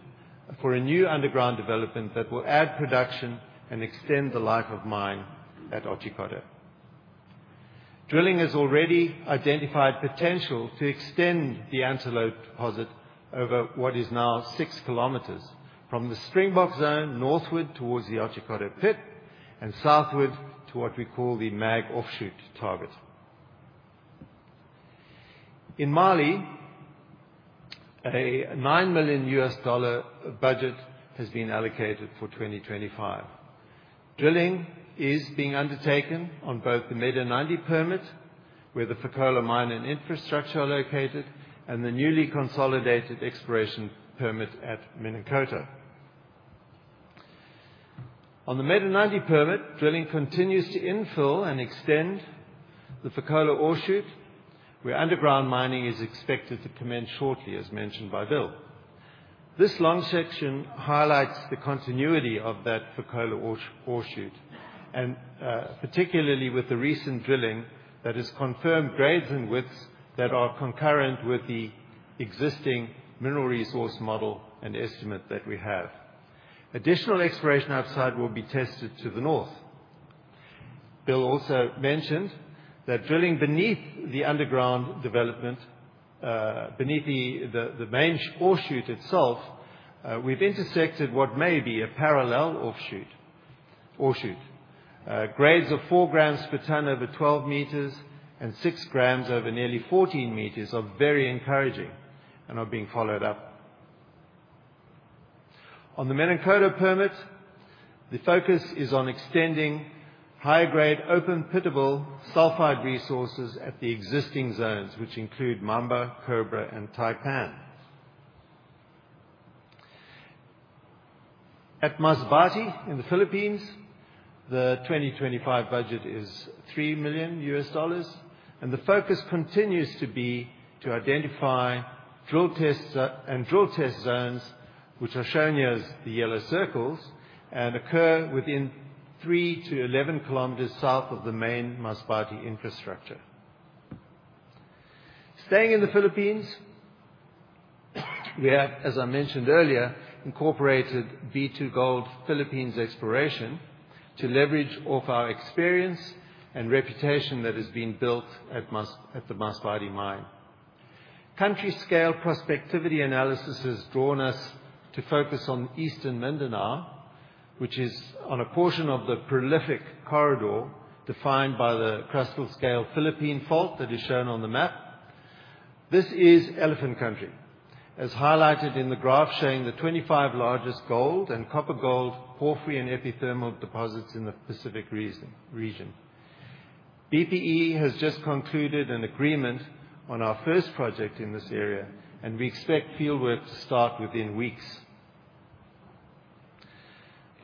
for a new underground development that will add production and extend the life of mine at Otjikoto. Drilling has already identified potential to extend the Antelope deposit over what is now six kilometers from the Springbok zone northward towards the Otjikoto pit and southward to what we call the Mag Offshoot target. In Mali, a $9 million budget has been allocated for 2025. Drilling is being undertaken on both the Medinandi permit, where the Fekola mine and infrastructure are located, and the newly consolidated exploration permit at Menankoto. On the Medinandi permit, drilling continues to infill and extend the Fekola ore shoot, where underground mining is expected to commence shortly, as mentioned by Bill. This long section highlights the continuity of that Fekola ore shoot, and particularly with the recent drilling that has confirmed grades and widths that are concurrent with the existing mineral resource model and estimate that we have. Additional exploration outside will be tested to the north. Bill also mentioned that drilling beneath the underground development, beneath the main ore shoot itself, we've intersected what may be a parallel ore shoot. Grades of 4 grams per tonne over 12 meters and 6 grams over nearly 14 meters are very encouraging and are being followed up. On the Menankoto permit, the focus is on extending high-grade open-pittable sulfide resources at the existing zones, which include Mamba, Cobra, and Taipan. At Masbate in the Philippines, the 2025 budget is $3 million, and the focus continues to be to identify drill tests and drill test zones, which are shown here as the yellow circles and occur within 3 to 11 kilometers south of the main Masbate infrastructure. Staying in the Philippines, we have, as I mentioned earlier, incorporated B2Gold Philippines Exploration to leverage our experience and reputation that has been built at the Masbate mine. Country-scale prospectivity analysis has drawn us to focus on Eastern Mindanao, which is on a portion of the prolific corridor defined by the crustal scale Philippine fault that is shown on the map. This is elephant country, as highlighted in the graph showing the 25 largest gold and copper-gold, porphyry, and epithermal deposits in the Pacific region. BPE has just concluded an agreement on our first project in this area, and we expect fieldwork to start within weeks.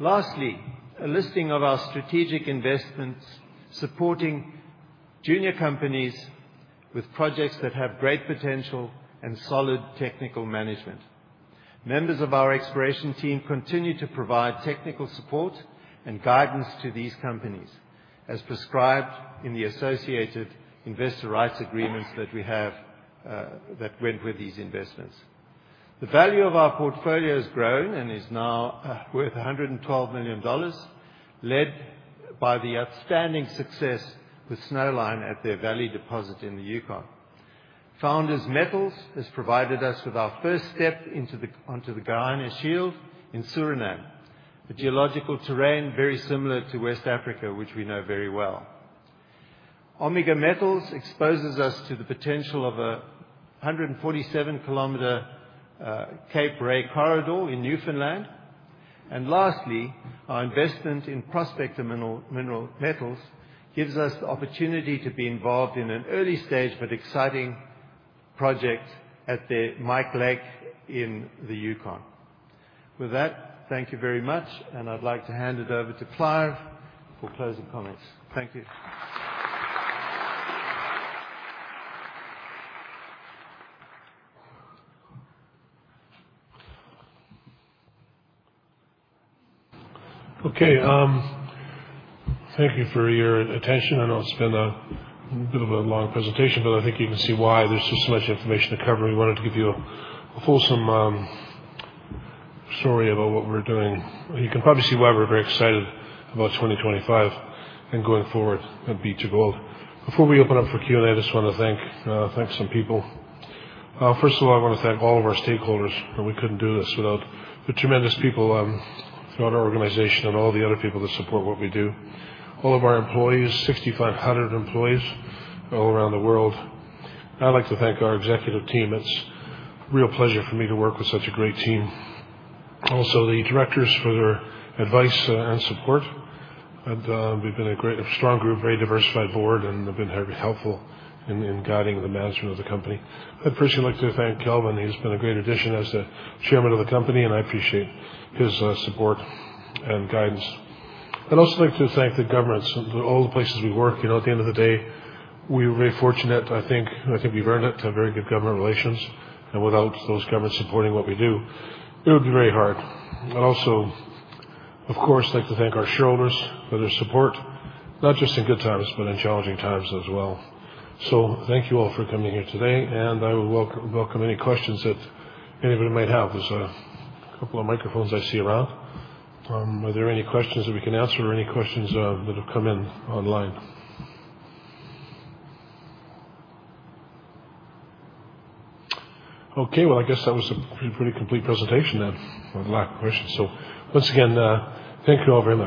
Lastly, a listing of our strategic investments supporting junior companies with projects that have great potential and solid technical management. Members of our exploration team continue to provide technical support and guidance to these companies, as prescribed in the associated investor rights agreements that we have that went with these investments. The value of our portfolio has grown and is now worth $112 million, led by the outstanding success with Snowline at their Valley deposit in the Yukon. Founders Metals has provided us with our first step onto the Guiana Shield in Suriname, a geological terrain very similar to West Africa, which we know very well. Omega Pacific exposes us to the potential of a 147-kilometer Cape Ray corridor in Newfoundland. And lastly, our investment in Prospector Metals gives us the opportunity to be involved in an early-stage but exciting project at the Mike Lake in the Yukon. With that, thank you very much, and I'd like to hand it over to Clive for closing comments. Thank you. Okay. Thank you for your attention. I know it's been a bit of a long presentation, but I think you can see why there's just so much information to cover. We wanted to give you a fulsome story about what we're doing. You can probably see why we're very excited about 2025 and going forward at B2Gold. Before we open up for Q&A, I just want to thank some people. First of all, I want to thank all of our stakeholders. We couldn't do this without the tremendous people throughout our organization and all the other people that support what we do. All of our employees, 6,500 employees all around the world. I'd like to thank our executive team. It's a real pleasure for me to work with such a great team. Also, the directors for their advice and support. We've been a strong group, very diversified board, and they've been very helpful in guiding the management of the company. I'd personally like to thank Kelvin. He's been a great addition as the Chairman of the company, and I appreciate his support and guidance. I'd also like to thank the governments, all the places we work. At the end of the day, we were very fortunate, I think. I think we've earned it to have very good government relations. And without those governments supporting what we do, it would be very hard. I'd also, of course, like to thank our shareholders for their support, not just in good times, but in challenging times as well. So thank you all for coming here today, and I will welcome any questions that anybody might have. There's a couple of microphones I see around. Are there any questions that we can answer or any questions that have come in online? Okay. Well, I guess that was a pretty complete presentation then, with a lack of questions. So once again, thank you all very much.